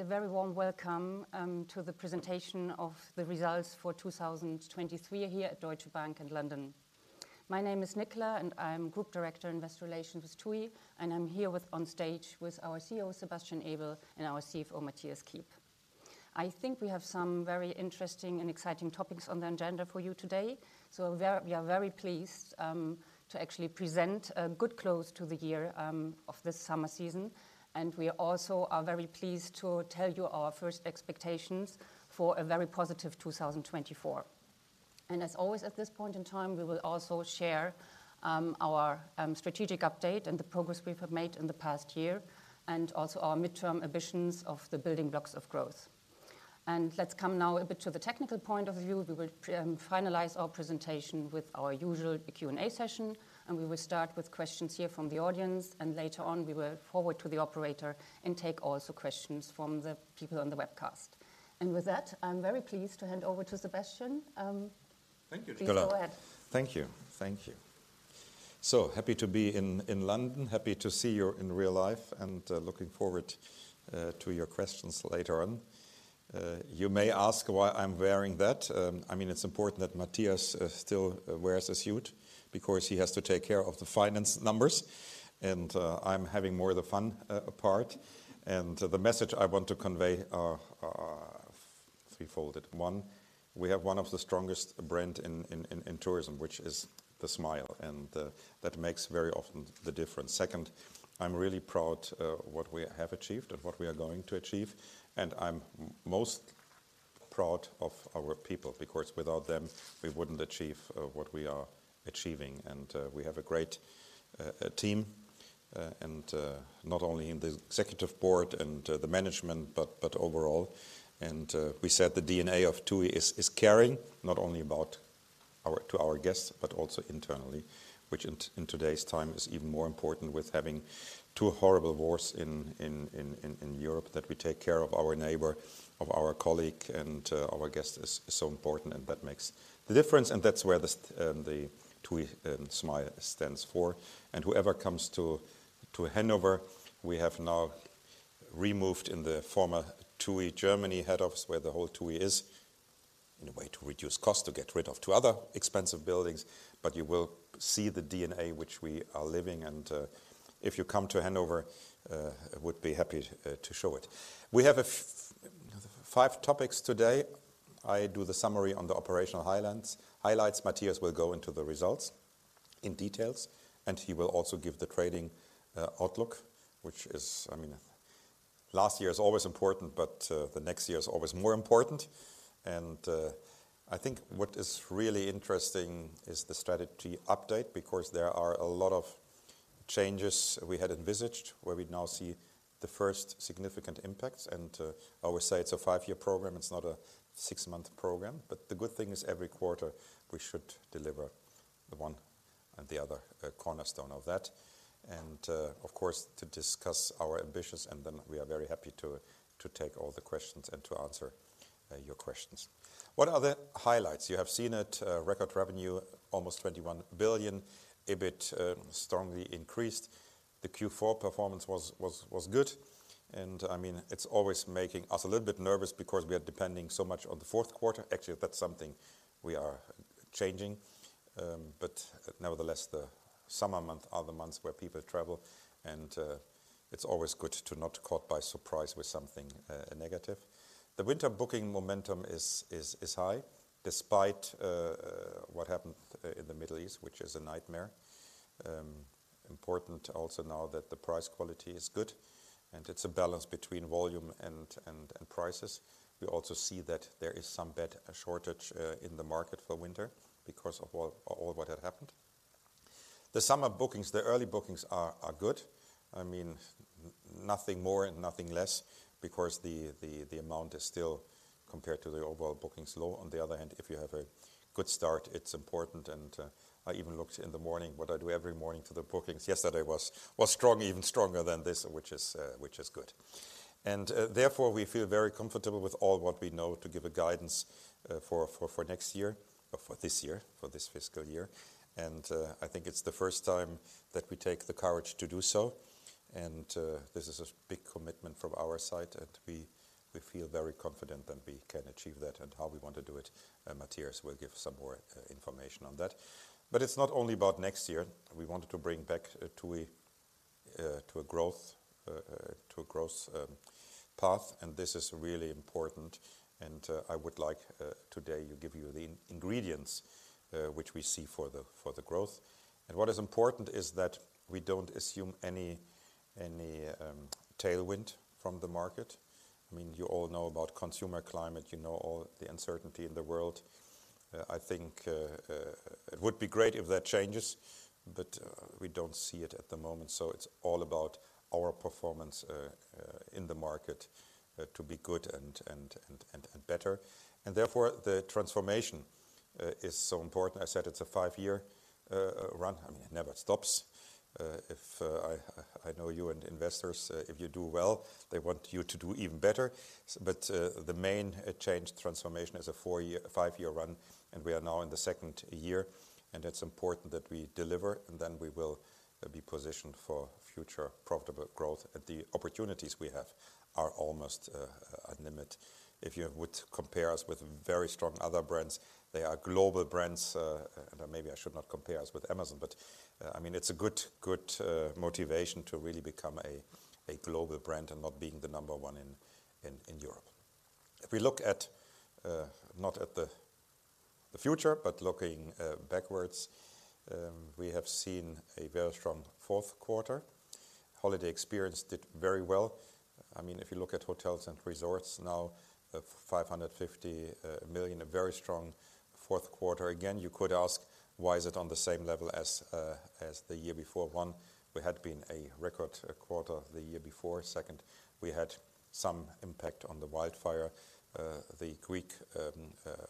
A very warm welcome to the presentation of the results for 2023 here at Deutsche Bank in London. My name is Nicola, and I'm Group Director, Investor Relations with TUI, and I'm here with, on stage with our CEO, Sebastian Ebel, and our CFO, Mathias Kiep. I think we have some very interesting and exciting topics on the agenda for you today. So we are very pleased to actually present a good close to the year of this summer season, and we also are very pleased to tell you our first expectations for a very positive 2024. As always, at this point in time, we will also share our strategic update and the progress we have made in the past year, and also our midterm ambitions of the building blocks of growth. Let's come now a bit to the technical point of view. We will finalize our presentation with our usual Q&A session, and we will start with questions here from the audience, and later on, we will forward to the operator and take also questions from the people on the webcast. And with that, I'm very pleased to hand over to Sebastian. Thank you, Nicola. Please go ahead. Thank you. Thank you. So happy to be in London. Happy to see you in real life and looking forward to your questions later on. You may ask why I'm wearing that. I mean, it's important that Mathias still wears a suit because he has to take care of the finance numbers, and I'm having more of the fun part. And the message I want to convey are threefold. One, we have one of the strongest brand in tourism, which is the smile, and that makes very often the difference. Second, I'm really proud what we have achieved and what we are going to achieve, and I'm most proud of our people, because without them, we wouldn't achieve what we are achieving. We have a great team and not only in the executive board and the management, but overall. We said the DNA of TUI is caring, not only about our to our guests, but also internally, which in today's time is even more important with having two horrible wars in Europe, that we take care of our neighbor, of our colleague, and our guest is so important, and that makes the difference, and that's where the TUI smile stands for. Whoever comes to Hanover, we have now moved in the former TUI Germany head office, where the whole TUI is, in a way to reduce cost, to get rid of two other expensive buildings. But you will see the DNA which we are living, and if you come to Hanover, would be happy to show it. We have five topics today. I do the summary on the operational highlights. Mathias will go into the results in details, and he will also give the trading outlook, which is, I mean, last year is always important, but the next year is always more important. And I think what is really interesting is the strategy update, because there are a lot of changes we had envisaged, where we now see the first significant impacts. And I always say it's a five-year program, it's not a six-month program. But the good thing is every quarter we should deliver the one and the other cornerstone of that. Of course, to discuss our ambitions, and then we are very happy to take all the questions and to answer your questions. What are the highlights? You have seen it, record revenue, almost 21 billion, EBIT strongly increased. The Q4 performance was good, and, I mean, it's always making us a little bit nervous because we are depending so much on the fourth quarter. Actually, that's something we are changing. But nevertheless, the summer month are the months where people travel, and it's always good to not caught by surprise with something negative. The winter booking momentum is high, despite what happened in the Middle East, which is a nightmare. Important also now that the price quality is good, and it's a balance between volume and prices. We also see that there is some bed shortage in the market for winter because of all what had happened. The summer bookings, the early bookings are good. I mean, nothing more and nothing less because the amount is still compared to the overall bookings, low. On the other hand, if you have a good start, it's important, and I even looked in the morning, what I do every morning, to the bookings. Yesterday was strong, even stronger than this, which is good. And therefore, we feel very comfortable with all what we know to give a guidance for next year, or for this year, for this fiscal year. And I think it's the first time that we take the courage to do so. And, this is a big commitment from our side, and we feel very confident that we can achieve that and how we want to do it, and Mathias will give some more information on that. But it's not only about next year. We wanted to bring back TUI to a growth path, and this is really important, and I would like today to give you the ingredients which we see for the growth. And what is important is that we don't assume any tailwind from the market. I mean, you all know about consumer climate, you know all the uncertainty in the world. I think it would be great if that changes, but we don't see it at the moment. So it's all about our performance in the market to be good and better. And therefore, the transformation is so important. I said it's a 5-year run. I mean, it never stops. If I know you and investors, if you do well, they want you to do even better. But the main change transformation is a 4-year, 5-year run, and we are now in the second year, and it's important that we deliver, and then we will be positioned for future profitable growth, and the opportunities we have are almost unlimited. If you would compare us with very strong other brands, they are global brands. Maybe I should not compare us with Amazon, but, I mean, it's a good, good, motivation to really become a, a global brand and not being the number one in, in, in Europe. If we look at, not at the, the future, but looking, backwards, we have seen a very strong fourth quarter. Holiday Experiences did very well. I mean, if you look at Hotels and Resorts now, 550 million, a very strong fourth quarter. Again, you could ask, why is it on the same level as, as the year before? One, we had been a record, quarter the year before. Second, we had some impact on the wildfire. The Greek,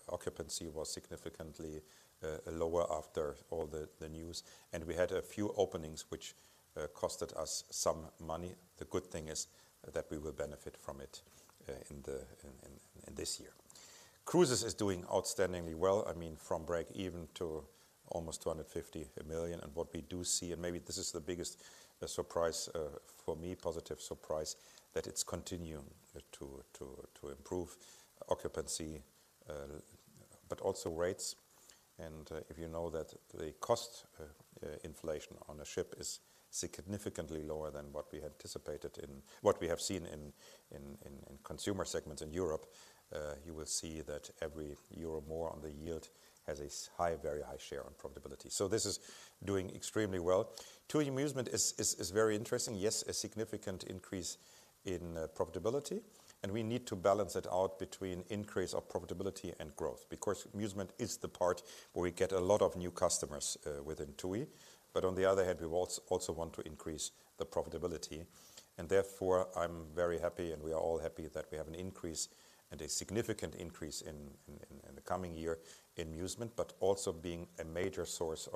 occupancy was significantly, lower after all the, the news, and we had a few openings which, costed us some money. The good thing is that we will benefit from it in this year. Cruises is doing outstandingly well. I mean, from break-even to almost 250 million. And what we do see, and maybe this is the biggest surprise for me, positive surprise, that it's continuing to improve occupancy but also rates. And if you know that the cost inflation on a ship is significantly lower than what we anticipated in what we have seen in consumer segments in Europe, you will see that every euro more on the yield has a high, very high share on profitability. So this is doing extremely well. TUI Musement is very interesting. Yes, a significant increase in profitability, and we need to balance it out between increase of profitability and growth, because Musement is the part where we get a lot of new customers within TUI. But on the other hand, we also want to increase the profitability, and therefore, I'm very happy and we are all happy that we have an increase and a significant increase in the coming year in Musement, but also being a major source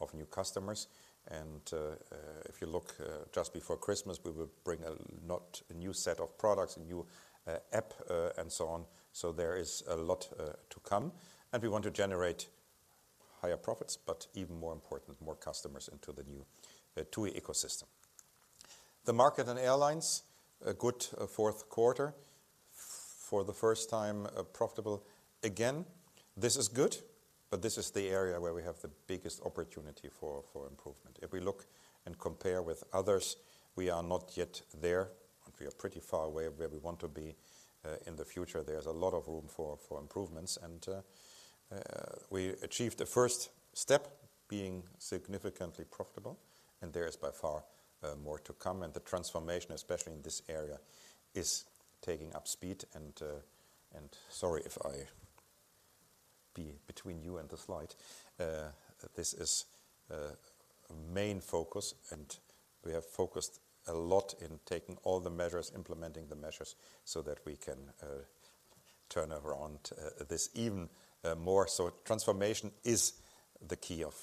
of new customers. If you look just before Christmas, we will bring not a new set of products, a new app and so on. So there is a lot to come, and we want to generate higher profits, but even more important, more customers into the new TUI ecosystem. The Markets and Airlines, a good fourth quarter. For the first time, profitable again. This is good, but this is the area where we have the biggest opportunity for improvement. If we look and compare with others, we are not yet there. We are pretty far away where we want to be in the future. There's a lot of room for improvements, and we achieved the first step, being significantly profitable, and there is by far more to come. The transformation, especially in this area, is taking up speed, and sorry if I be between you and the slide. This is main focus, and we have focused a lot in taking all the measures, implementing the measures, so that we can turn around this even more. So transformation is the key of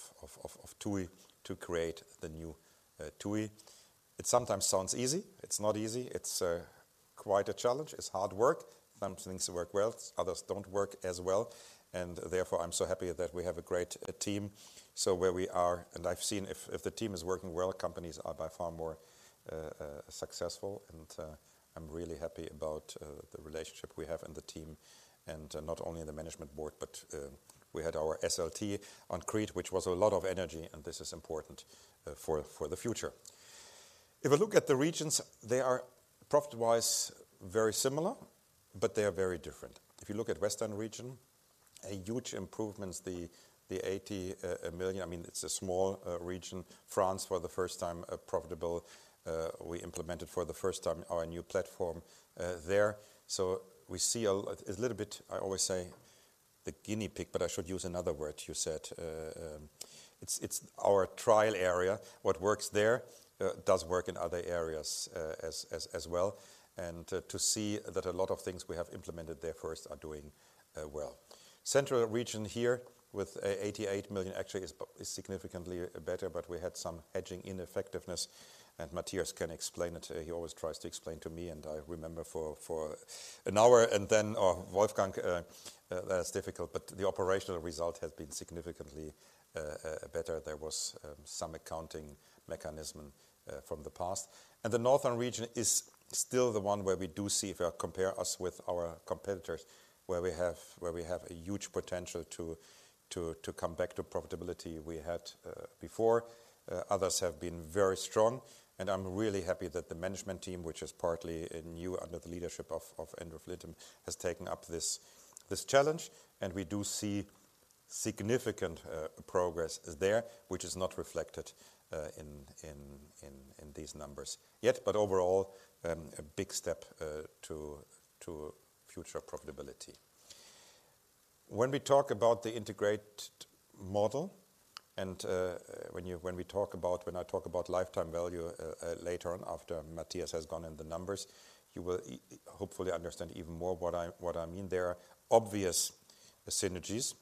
TUI to create the new TUI. It sometimes sounds easy. It's not easy. It's quite a challenge. It's hard work. Some things work well, others don't work as well, and therefore, I'm so happy that we have a great team. So where we are. And I've seen if, if the team is working well, companies are by far more successful and, I'm really happy about the relationship we have and the team, and not only in the management board, but we had our SLT on Crete, which was a lot of energy, and this is important for the future. If we look at the regions, they are profit-wise, very similar, but they are very different. If you look at Western Region, a huge improvements, the 80 million, I mean, it's a small region. France, for the first time, profitable. We implemented for the first time our new platform there. So we see a little bit, I always say, the guinea pig, but I should use another word. You said, it's our trial area. What works there does work in other areas as well, and to see that a lot of things we have implemented there first are doing well. Central Region here with 88 million actually is significantly better, but we had some hedging ineffectiveness, and Mathias can explain it. He always tries to explain to me, and I remember for an hour, and then, Wolfgang, that's difficult, but the operational result has been significantly better. There was some accounting mechanism from the past. The Northern Region is still the one where we do see, if you compare us with our competitors, where we have a huge potential to come back to profitability we had before. Others have been very strong, and I'm really happy that the management team, which is partly a new under the leadership of Andrew Flintham, has taken up this challenge, and we do see significant progress there, which is not reflected in these numbers yet, but overall, a big step to future profitability. When we talk about the integrated model and, when I talk about lifetime value, later on, after Mathias has gone in the numbers, you will hopefully understand even more what I mean. There are obvious synergies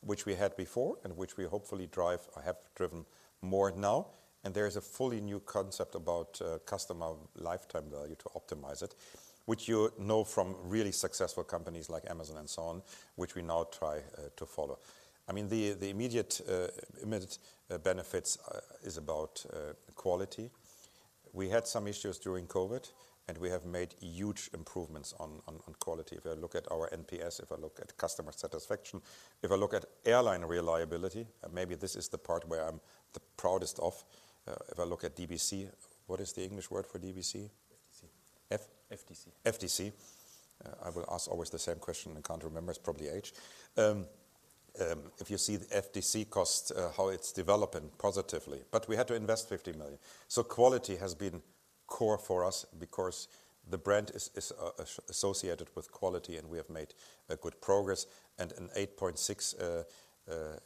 which we had before and which we hopefully drive or have driven more now. And there is a fully new concept about, customer lifetime value to optimize it, which you know from really successful companies like Amazon and so on, which we now try, to follow. I mean, the immediate benefits is about quality. We had some issues during COVID, and we have made huge improvements on quality. If I look at our NPS, if I look at customer satisfaction, if I look at airline reliability, and maybe this is the part where I'm the proudest of, if I look at DBC. What is the English word for DBC? FDC. F? FDC. FDC. I will ask always the same question and can't remember. It's probably H. If you see the FDC cost, how it's developing positively, but we had to invest 50 million. So quality has been core for us because the brand is associated with quality, and we have made a good progress. And 8.6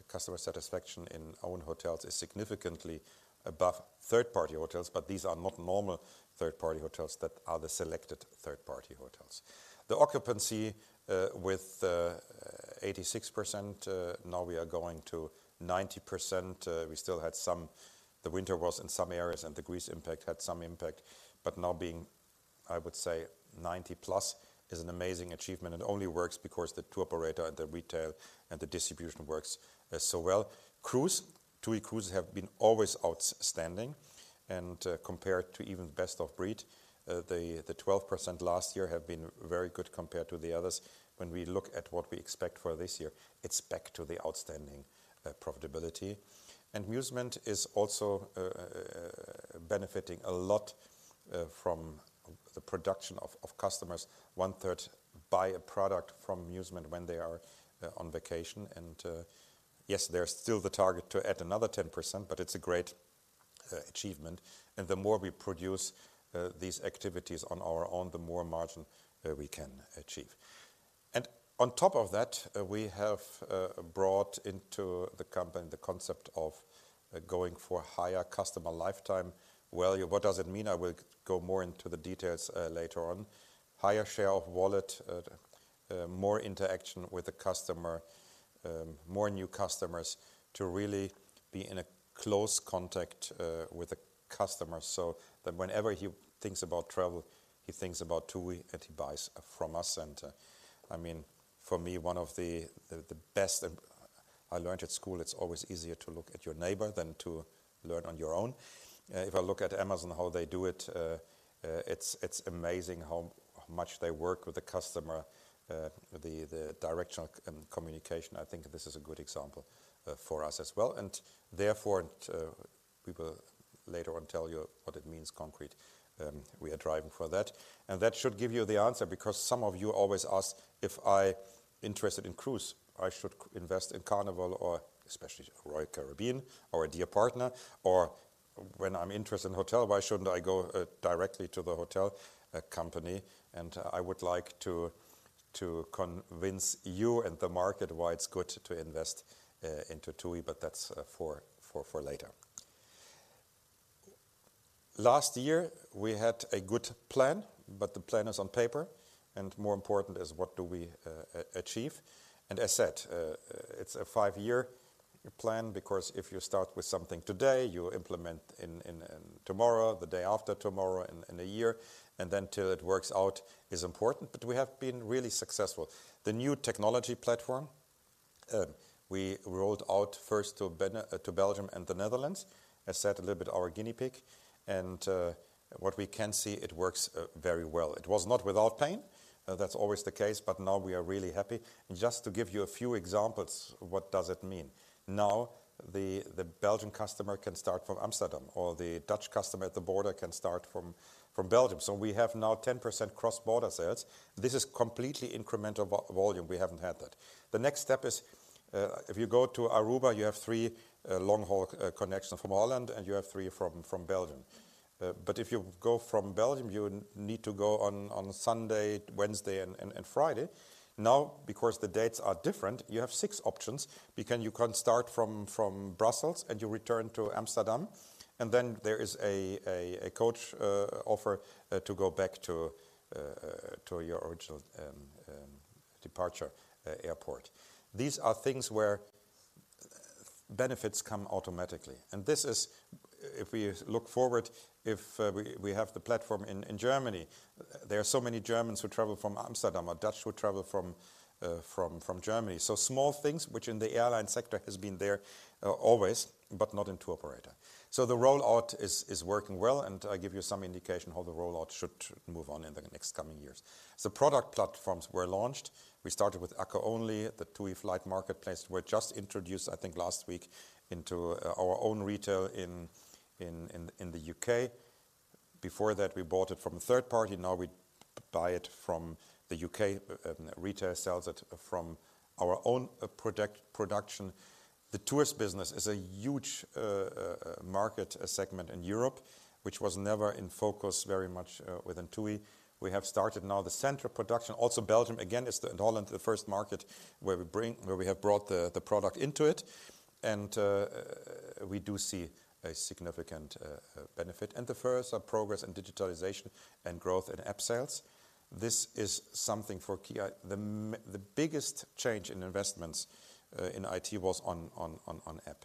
customer satisfaction in own hotels is significantly above third-party hotels, but these are not normal third-party hotels, that are the selected third-party hotels. The occupancy with 86%, now we are going to 90%. We still had some. The winter was in some areas, and the Greece impact had some impact, but now being, I would say, 90+ is an amazing achievement, and only works because the tour operator and the retail and the distribution works so well. Cruises, TUI Cruises have been always outstanding, and compared to even best of breed, the 12% last year have been very good compared to the others. When we look at what we expect for this year, it's back to the outstanding profitability. Musement is also benefiting a lot from the production of customers. One third buy a product from Musement when they are on vacation, and yes, there's still the target to add another 10%, but it's a great achievement. And the more we produce these activities on our own, the more margin we can achieve. And on top of that, we have brought into the company the concept of going for higher customer lifetime value. What does it mean? I will go more into the details later on. Higher share of wallet, more interaction with the customer, more new customers to really be in a close contact with the customer, so that whenever he thinks about travel, he thinks about TUI, and he buys from us. And I mean, for me, one of the best that I learned at school, it's always easier to look at your neighbor than to learn on your own. If I look at Amazon, how they do it, it's amazing how much they work with the customer. The directional and communication, I think this is a good example for us as well. Therefore, we will later on tell you what it means concrete, we are driving for that. And that should give you the answer, because some of you always ask if I interested in cruise, I should invest in Carnival or especially Royal Caribbean or a dear partner, or when I'm interested in hotel, why shouldn't I go directly to the hotel company? And I would like to convince you and the market why it's good to invest into TUI, but that's for later. Last year, we had a good plan, but the plan is on paper, and more important is what do we achieve. As said, it's a five-year plan, because if you start with something today, you implement in tomorrow, the day after tomorrow, in a year, and then till it works out is important. But we have been really successful. The new technology platform, we rolled out first to Belgium and the Netherlands. I said a little bit our guinea pig, and what we can see, it works very well. It was not without pain, that's always the case, but now we are really happy. Just to give you a few examples, what does it mean? Now, the Belgian customer can start from Amsterdam, or the Dutch customer at the border can start from Belgium. So we have now 10% cross-border sales. This is completely incremental volume. We haven't had that. The next step is, if you go to Aruba, you have 3 long-haul connections from Holland, and you have 3 from Belgium. But if you go from Belgium, you need to go on Sunday, Wednesday, and Friday. Now, because the dates are different, you have 6 options. Because you can start from Brussels and you return to Amsterdam, and then there is a coach offer to go back to your original departure airport. These are things where benefits come automatically, and this is if we look forward, if we have the platform in Germany, there are so many Germans who travel from Amsterdam or Dutch who travel from Germany. So small things which in the airline sector has been there always, but not in tour operator. So the rollout is working well, and I give you some indication how the rollout should move on in the next coming years. The product platforms were launched. We started with Acco only. The TUI Flight Marketplace were just introduced, I think, last week into our own retail in the U.K. Before that, we bought it from a third party. Now we buy it from the U.K. retail sells it from our own product production. The tours business is a huge market segment in Europe, which was never in focus very much within TUI. We have started now the central production. Also, Belgium again, is the and Holland, the first market where we have brought the product into it, and we do see a significant benefit. And the first are progress in digitalization and growth in app sales. This is something for key. The biggest change in investments in IT was on app.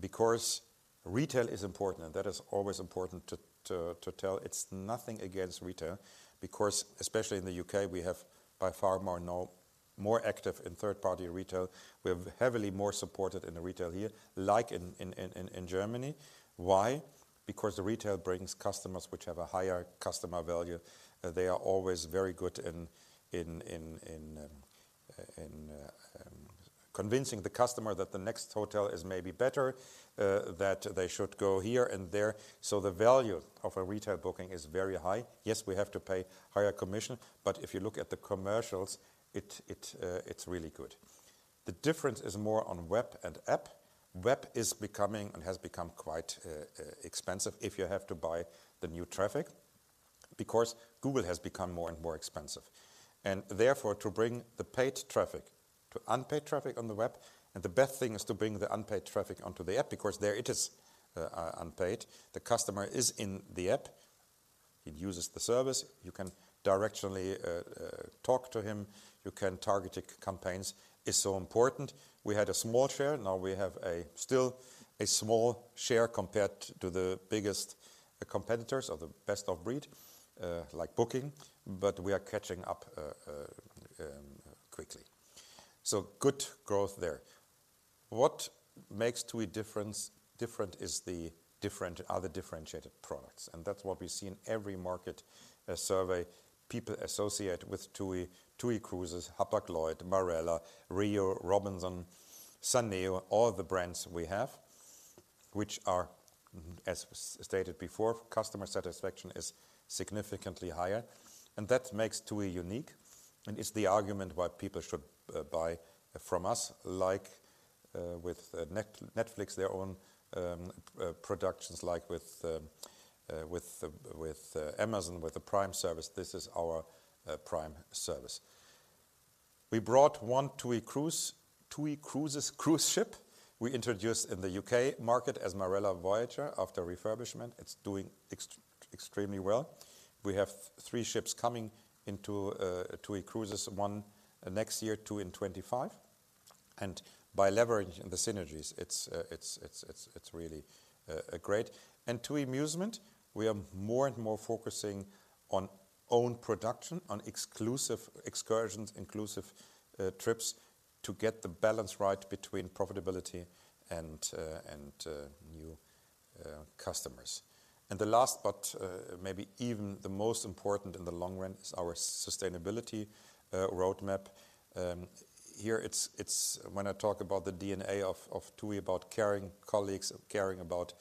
Because retail is important, and that is always important to tell. It's nothing against retail, because especially in the U.K., we have by far more now more active in third-party retail. We have heavily more supported in the retail here, like in Germany. Why? Because the retail brings customers which have a higher customer value. They are always very good in convincing the customer that the next hotel is maybe better, that they should go here and there. So the value of a retail booking is very high. Yes, we have to pay higher commission, but if you look at the commercials, it's really good. The difference is more on web and app. Web is becoming and has become quite expensive if you have to buy the new traffic, because Google has become more and more expensive. And therefore, to bring the paid traffic to unpaid traffic on the web, and the best thing is to bring the unpaid traffic onto the app, because there it is unpaid. The customer is in the app, he uses the service, you can directionally talk to him, you can target campaigns, is so important. We had a small share, now we have a still a small share compared to the biggest competitors or the best of breed, like Booking, but we are catching up quickly. So good growth there. What makes TUI different are the differentiated products, and that's what we see in every market survey. People associate with TUI, TUI Cruises, Hapag-Lloyd, Marella, RIU, Robinson, Suneo, all the brands we have, which are, as stated before, customer satisfaction is significantly higher. And that makes TUI unique, and it's the argument why people should buy from us. Like, with Netflix, their own productions like with Amazon, with the Prime service. This is our Prime service. We brought one TUI Cruises cruise ship. We introduced in the UK market as Marella Voyager after refurbishment. It's doing extremely well. We have three ships coming into TUI Cruises, one next year, two in 25. And by leveraging the synergies, it's really great. And TUI Musement, we are more and more focusing on own production, on exclusive excursions, inclusive trips, to get the balance right between profitability and new customers. And the last, but maybe even the most important in the long run, is our sustainability roadmap. Here it's when I talk about the DNA of TUI, about caring colleagues, caring about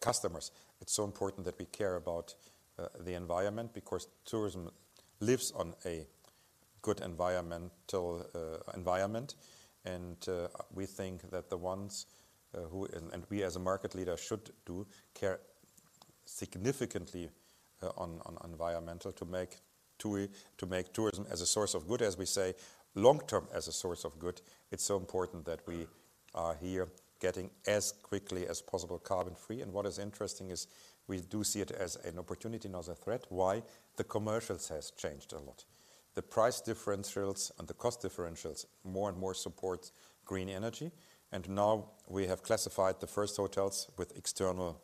customers. It's so important that we care about the environment because tourism lives on a good environmental environment. We think that we as a market leader should do care significantly on environmental to make TUI, to make tourism as a source of good, as we say, long term as a source of good. It's so important that we are here getting as quickly as possible carbon free. What is interesting is we do see it as an opportunity, not a threat. Why? The commercials has changed a lot. The price differentials and the cost differentials more and more support green energy, and now we have classified the first hotels with external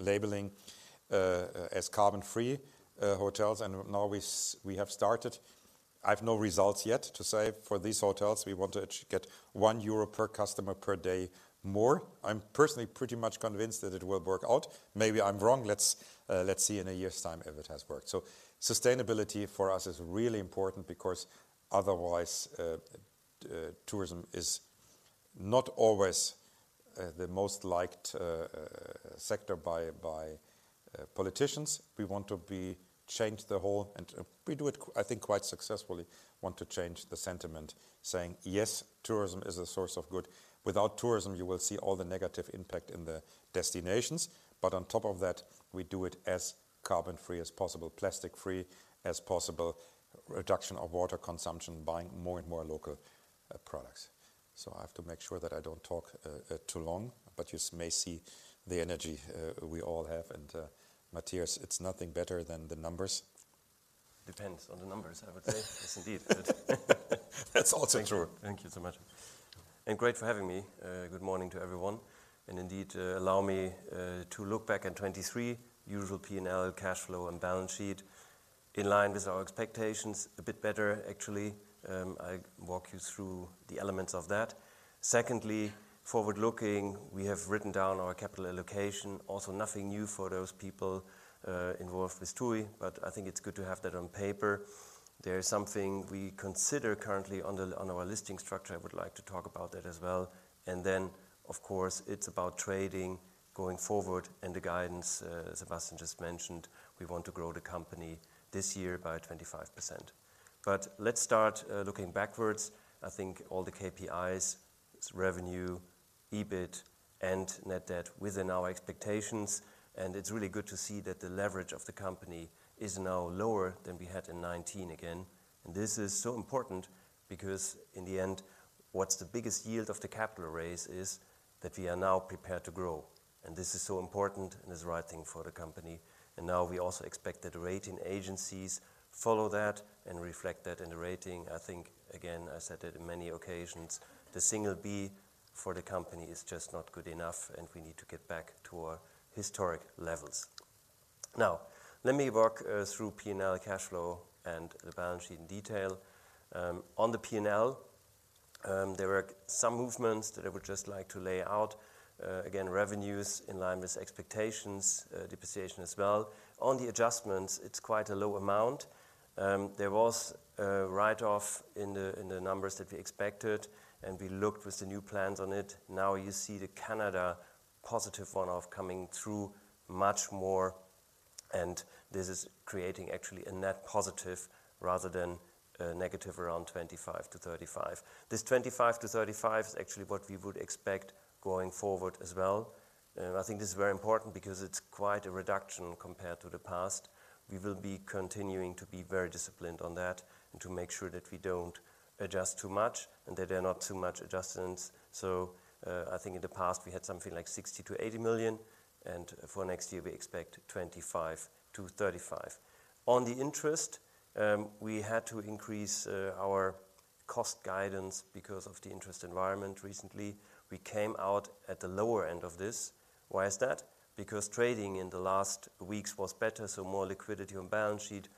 labeling as carbon-free hotels, and now we have started. I have no results yet to say for these hotels. We want to get 1 euro per customer per day more. I'm personally pretty much convinced that it will work out. Maybe I'm wrong. Let's see in a year's time if it has worked. So sustainability for us is really important because otherwise tourism is not always the most liked sector by politicians. We want to change the whole, and we do it, I think, quite successfully. We want to change the sentiment, saying, "Yes, tourism is a source of good." Without tourism, you will see all the negative impact in the destinations. But on top of that, we do it as carbon-free as possible, plastic-free as possible, reduction of water consumption, buying more and more local products. So I have to make sure that I don't talk too long, but you may see the energy we all have. And, Mathias, it's nothing better than the numbers. Depends on the numbers, I would say. Yes, indeed. That's also true. Thank you so much. And great for having me. Good morning to everyone. And indeed, allow me to look back at 2023. Usual P&L, cash flow, and balance sheet. In line with our expectations, a bit better, actually. I walk you through the elements of that. Secondly, forward looking, we have written down our capital allocation. Also, nothing new for those people involved with TUI, but I think it's good to have that on paper. There is something we consider currently on the, on our listing structure. I would like to talk about that as well. And then, of course, it's about trading going forward and the guidance, as Sebastian just mentioned, we want to grow the company this year by 25%. But let's start, looking backwards. I think all the KPIs, revenue, EBIT, and net debt within our expectations, and it's really good to see that the leverage of the company is now lower than we had in 2019 again. This is so important because in the end, what's the biggest yield of the capital raise is that we are now prepared to grow, and this is so important and is the right thing for the company. Now we also expect that the rating agencies follow that and reflect that in the rating. I think, again, I said it in many occasions, the single B- for the company is just not good enough, and we need to get back to our historic levels. Now, let me walk through P&L cash flow and the balance sheet in detail. On the P&L, there were some movements that I would just like to lay out. Again, revenues in line with expectations, depreciation as well. On the adjustments, it's quite a low amount. There was a write-off in the, in the numbers that we expected, and we looked with the new plans on it. Now you see the Canada positive one-off coming through much more, and this is creating actually a net positive rather than negative around 25-35. This 25-35 is actually what we would expect going forward as well. I think this is very important because it's quite a reduction compared to the past. We will be continuing to be very disciplined on that and to make sure that we don't adjust too much and that there are not too much adjustments. So, I think in the past we had something like 60-80 million, and for next year, we expect 25-35 million. On the interest, we had to increase our cost guidance because of the interest environment recently. We came out at the lower end of this. Why is that? Because trading in the last weeks was better, so more liquidity on balance sheet,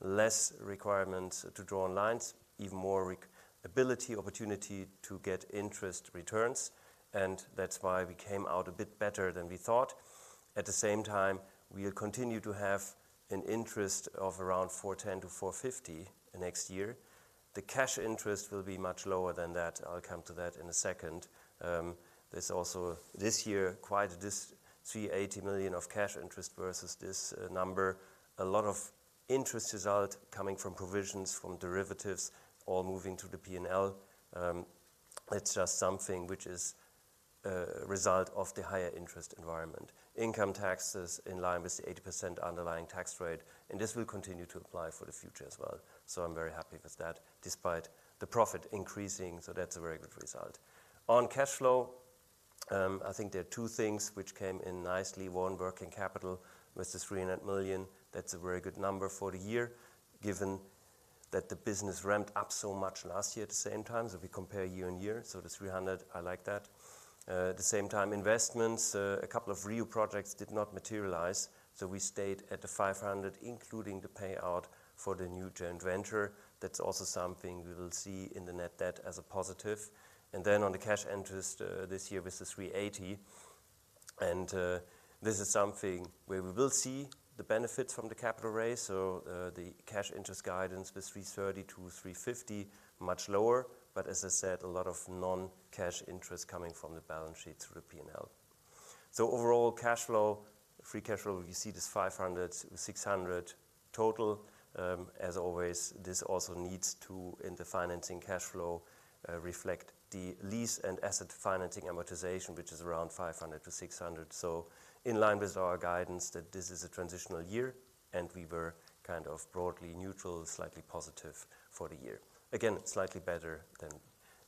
less requirement to draw on lines, even more ability, opportunity to get interest returns, and that's why we came out a bit better than we thought. At the same time, we will continue to have an interest of around 4.10-4.50 next year. The cash interest will be much lower than that. I'll come to that in a second. There's also, this year, 380 million of cash interest versus this number. A lot of interest result coming from provisions, from derivatives, all moving to the P&L. It's just something which is result of the higher interest environment. Income taxes in line with the 80% underlying tax rate, and this will continue to apply for the future as well. So I'm very happy with that, despite the profit increasing, so that's a very good result. On cash flow, I think there are two things which came in nicely. One, working capital with the 300 million. That's a very good number for the year, given that the business ramped up so much last year at the same time, so if we compare year-on-year, so the 300, I like that. At the same time, investments, a couple of RIU projects did not materialize, so we stayed at the 500 million, including the payout for the new joint venture. That's also something we will see in the net debt as a positive. And then on the cash interest, this year with the 380, and this is something where we will see the benefits from the capital raise, so, the cash interest guidance with 330 million-350 million, much lower, but as I said, a lot of non-cash interest coming from the balance sheet through the P&L. So overall, cash flow, free cash flow, you see this 500 million-600 million total. As always, this also needs to, in the financing cash flow, reflect the lease and asset financing amortization, which is around 500 million-600 million. So in line with our guidance that this is a transitional year, and we were kind of broadly neutral, slightly positive for the year. Again, slightly better than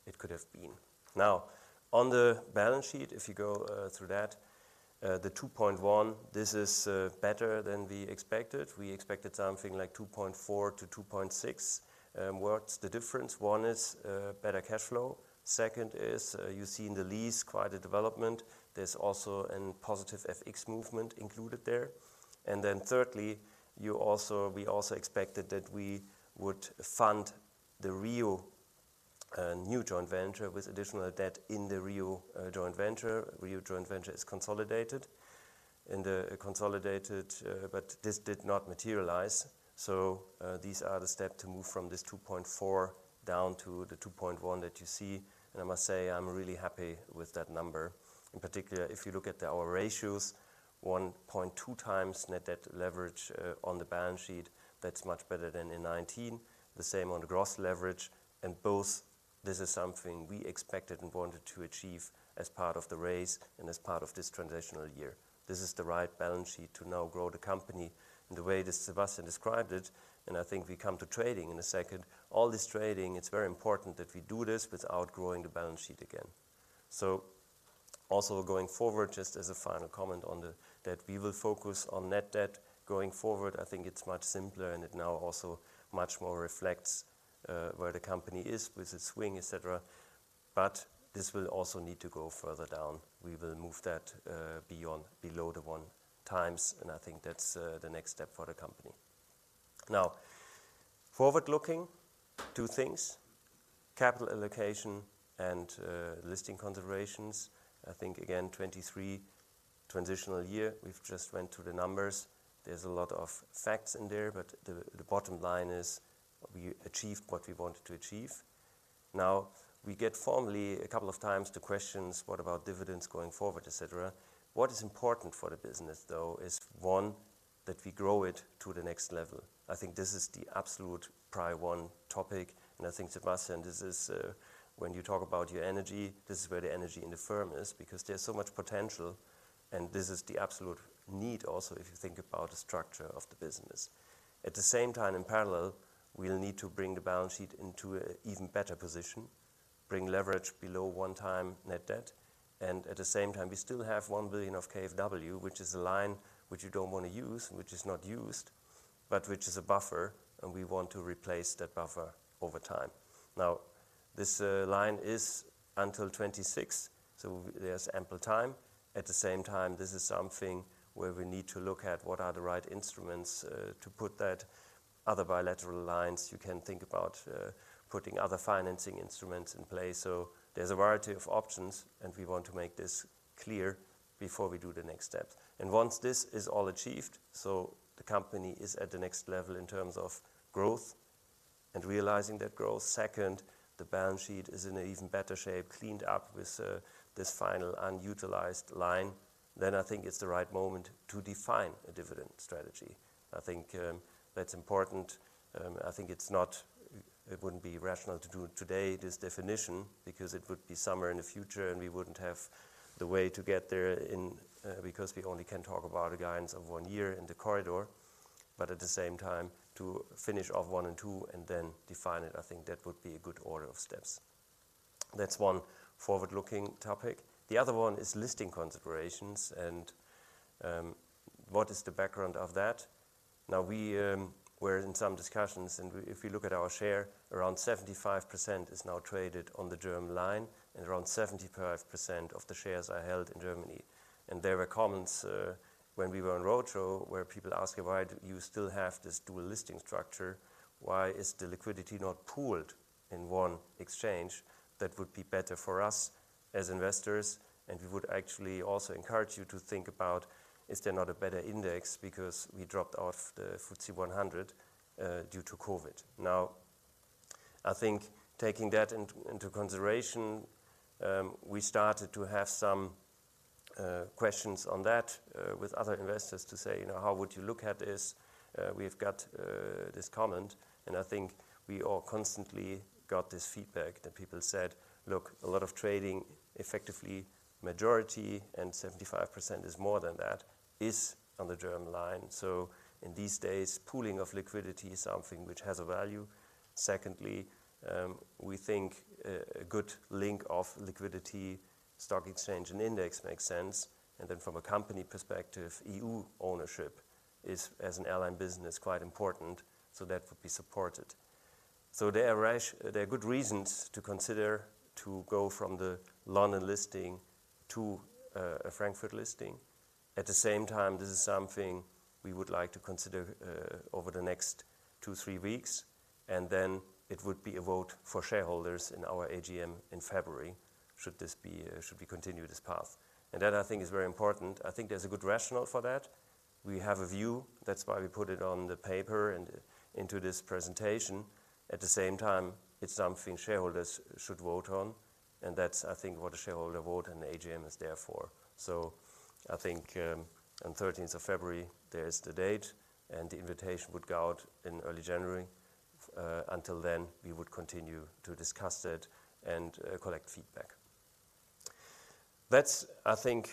it could have been. Now, on the balance sheet, if you go through that, the 2.1, this is better than we expected. We expected something like 2.4-2.6. What's the difference? One is better cash flow. Second is, you see in the lease quite a development. There's also a positive FX movement included there. And then thirdly, you also-- we also expected that we would fund the RIU new joint venture with additional debt in the RIU joint venture. RIU joint venture is consolidated, in the consolidated, but this did not materialize. So, these are the steps to move from this 2.4 down to the 2.1 that you see. And I must say, I'm really happy with that number. In particular, if you look at our ratios, 1.2x net debt leverage on the balance sheet, that's much better than in 2019. The same on the gross leverage, and both, this is something we expected and wanted to achieve as part of the raise and as part of this transitional year. This is the right balance sheet to now grow the company. And the way that Sebastian described it, and I think we come to trading in a second, all this trading, it's very important that we do this without growing the balance sheet again. So also going forward, just as a final comment on the debt, we will focus on net debt going forward. I think it's much simpler and it now also much more reflects where the company is with its swing, et cetera. But this will also need to go further down. We will move that beyond below the 1x, and I think that's the next step for the company. Now, forward-looking, two things: capital allocation and listing considerations. I think, again, 2023 transitional year, we've just went through the numbers. There's a lot of facts in there, but the bottom line is we achieved what we wanted to achieve. Now, we get formally a couple of times the questions, what about dividends going forward, et cetera? What is important for the business, though, is, one, that we grow it to the next level. I think this is the absolute priority one topic, and I think, Sebastian, this is when you talk about your energy, this is where the energy in the firm is, because there's so much potential, and this is the absolute need also, if you think about the structure of the business. At the same time, in parallel, we'll need to bring the balance sheet into an even better position, bring leverage below 1x net debt, and at the same time, we still have 1 billion of KfW, which is a line which you don't want to use, which is not used, but which is a buffer, and we want to replace that buffer over time. Now, this line is until 2026, so there's ample time. At the same time, this is something where we need to look at what are the right instruments to put that. Other bilateral lines, you can think about, putting other financing instruments in place. So there's a variety of options, and we want to make this clear before we do the next step. And once this is all achieved, so the company is at the next level in terms of growth and realizing that growth. Second, the balance sheet is in an even better shape, cleaned up with, this final unutilized line, then I think it's the right moment to define a dividend strategy. I think, that's important. I think it wouldn't be rational to do it today, this definition, because it would be somewhere in the future, and we wouldn't have the way to get there in, because we only can talk about a guidance of one year in the corridor, but at the same time, to finish off one and two and then define it, I think that would be a good order of steps. That's one forward-looking topic. The other one is listing considerations and, what is the background of that? Now we're in some discussions, and if we look at our share, around 75% is now traded on the German line, and around 75% of the shares are held in Germany. There were comments, when we were on roadshow, where people ask, "Why do you still have this dual listing structure? Why is the liquidity not pooled in one exchange? That would be better for us as investors, and we would actually also encourage you to think about, is there not a better index, because we dropped off the FTSE 100, due to COVID?" Now, I think taking that into consideration, we started to have some questions on that with other investors to say, "You know, how would you look at this? We've got this comment," and I think we all constantly got this feedback that people said, "Look, a lot of trading, effectively, majority and 75% is more than that, is on the German line. So in these days, pooling of liquidity is something which has a value. Secondly, we think, a good link of liquidity, stock exchange and index makes sense. Then from a company perspective, EU ownership is, as an airline business, quite important, so that would be supported. So there are reasons to consider going from the London listing to a Frankfurt listing. At the same time, this is something we would like to consider over the next 2-3 weeks, and then it would be a vote for shareholders in our AGM in February should this be, should we continue this path? And that, I think, is very important. I think there's a good rationale for that. We have a view. That's why we put it on the paper and into this presentation. At the same time, it's something shareholders should vote on, and that's, I think, what a shareholder vote and AGM is there for. So I think, on the 13th of February, there is the date, and the invitation would go out in early January. Until then, we would continue to discuss it and collect feedback. That's, I think,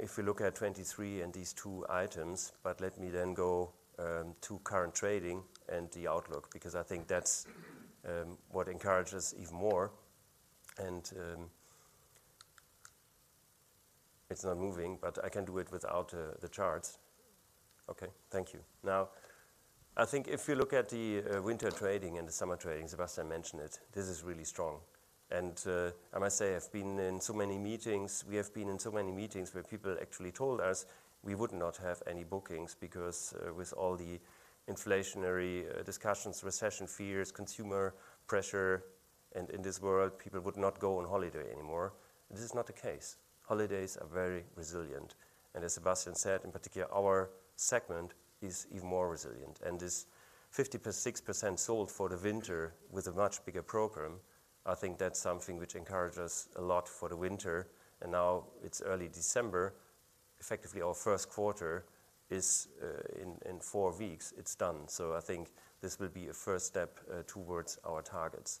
if we look at 2023 and these two items, but let me then go to current trading and the outlook, because I think that's what encourages even more. It's not moving, but I can do it without the charts. Okay, thank you. Now, I think if you look at the winter trading and the summer trading, Sebastian mentioned it, this is really strong. I must say, I've been in so many meetings, we have been in so many meetings where people actually told us we would not have any bookings, because, with all the inflationary discussions, recession fears, consumer pressure, and in this world, people would not go on holiday anymore. This is not the case. Holidays are very resilient, and as Sebastian said, in particular, our segment is even more resilient. This 50%-60% sold for the winter with a much bigger program, I think that's something which encourages a lot for the winter. Now it's early December. Effectively, our first quarter is in 4 weeks, it's done. So I think this will be a first step towards our targets.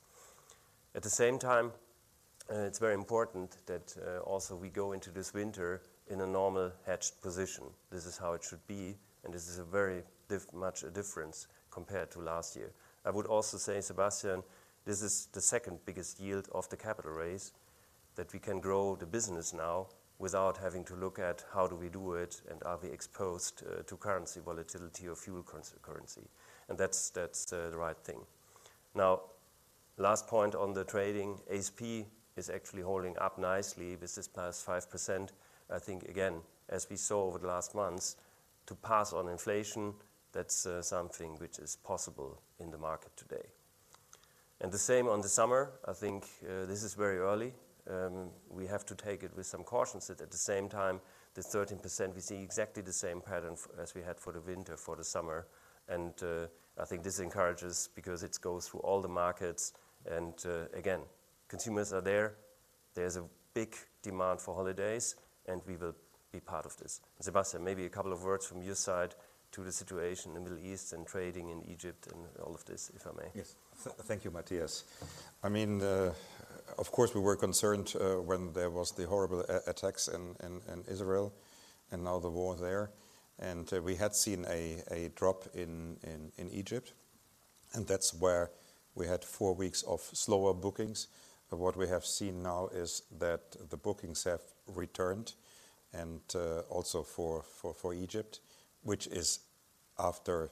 At the same time, it's very important that also we go into this winter in a normal hedged position. This is how it should be, and this is a very much a difference compared to last year. I would also say, Sebastian, this is the second biggest yield of the capital raise, that we can grow the business now without having to look at how do we do it, and are we exposed to currency volatility or fuel currency? And that's the right thing. Now, last point on the trading, ASP is actually holding up nicely. This is plus 5%. I think, again, as we saw over the last months, to pass on inflation, that's something which is possible in the market today. And the same on the summer, I think, this is very early. We have to take it with some caution, but at the same time, the 13%, we see exactly the same pattern as we had for the winter, for the summer. I think this encourages because it goes through all the markets, and, again, consumers are there. There's a big demand for holidays, and we will be part of this. Sebastian, maybe a couple of words from your side to the situation in the Middle East and trading in Egypt and all of this, if I may. Yes. Thank you, Mathias. I mean, of course, we were concerned when there was the horrible attacks in Israel and now the war there, and we had seen a drop in Egypt and that's where we had four weeks of slower bookings. But what we have seen now is that the bookings have returned, and also for Egypt, which is after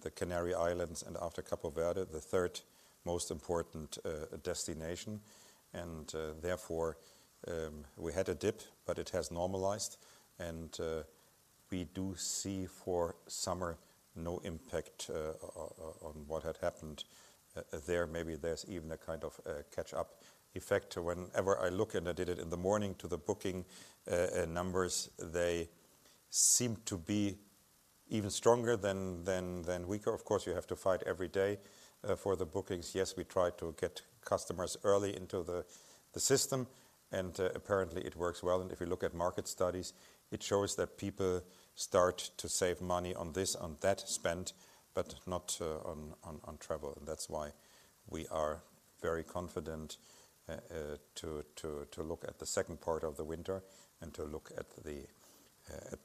the Canary Islands and after Cape Verde, the third most important destination. And therefore we had a dip, but it has normalized, and we do see for summer no impact on what had happened there. Maybe there's even a kind of catch-up effect. Whenever I look, and I did it in the morning, to the booking numbers, they seem to be even stronger than weaker. Of course, you have to fight every day for the bookings. Yes, we try to get customers early into the system, and apparently it works well. And if you look at market studies, it shows that people start to save money on this, on that spend, but not on travel. And that's why we are very confident to look at the second part of the winter and to look at the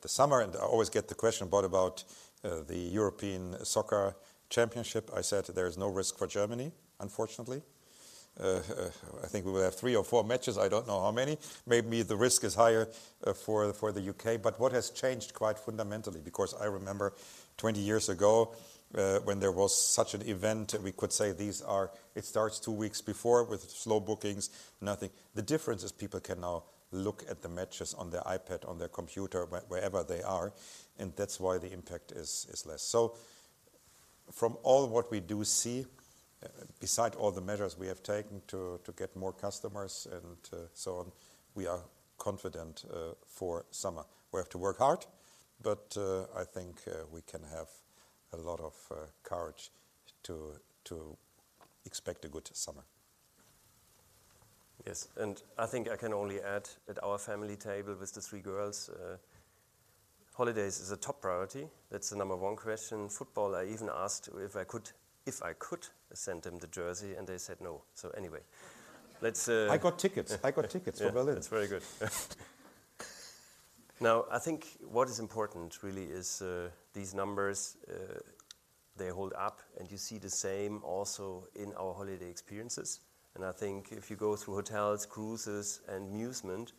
summer. And I always get the question: what about the European Soccer Championship? I said there is no risk for Germany, unfortunately. I think we will have three or four matches. I don't know how many. Maybe the risk is higher for the UK. But what has changed quite fundamentally, because I remember 20 years ago, when there was such an event, we could say it starts two weeks before with slow bookings, nothing. The difference is people can now look at the matches on their iPad, on their computer, wherever they are, and that's why the impact is less. So from all what we do see, beside all the measures we have taken to get more customers and so on, we are confident for summer. We have to work hard, but I think we can have a lot of courage to expect a good summer. Yes, and I think I can only add at our family table with the three girls, holidays is a top priority. That's the number one question. Football, I even asked if I could, if I could send them the jersey, and they said no. So anyway, let's- I got tickets. I got tickets for Berlin. Yeah, that's very good. Now, I think what is important really is these numbers they hold up, and you see the same also in our Holiday Experiences. And I think if you go through hotels, cruises, and musement,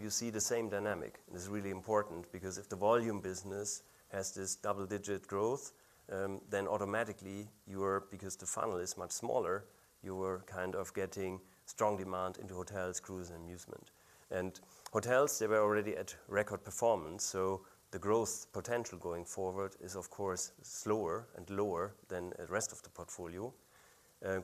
you see the same dynamic. This is really important because if the volume business has this double-digit growth, then automatically you are, because the funnel is much smaller, you are kind of getting strong demand into hotels, cruise, and musement. And hotels, they were already at record performance, so the growth potential going forward is of course slower and lower than the rest of the portfolio.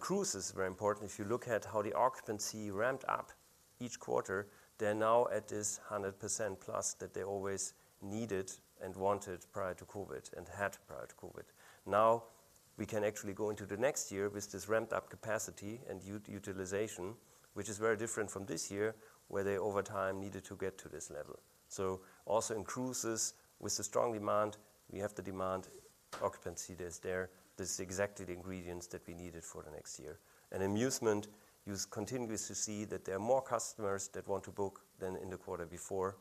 Cruise is very important. If you look at how the occupancy ramped up each quarter, they're now at this 100% plus that they always needed and wanted prior to COVID, and had prior to COVID. Now, we can actually go into the next year with this ramped-up capacity and utilization, which is very different from this year, where they over time, needed to get to this level. So also in cruises, with the strong demand, we have the demand occupancy that is there. This is exactly the ingredients that we needed for the next year. And Musement, you continuously see that there are more customers that want to book than in the quarter before,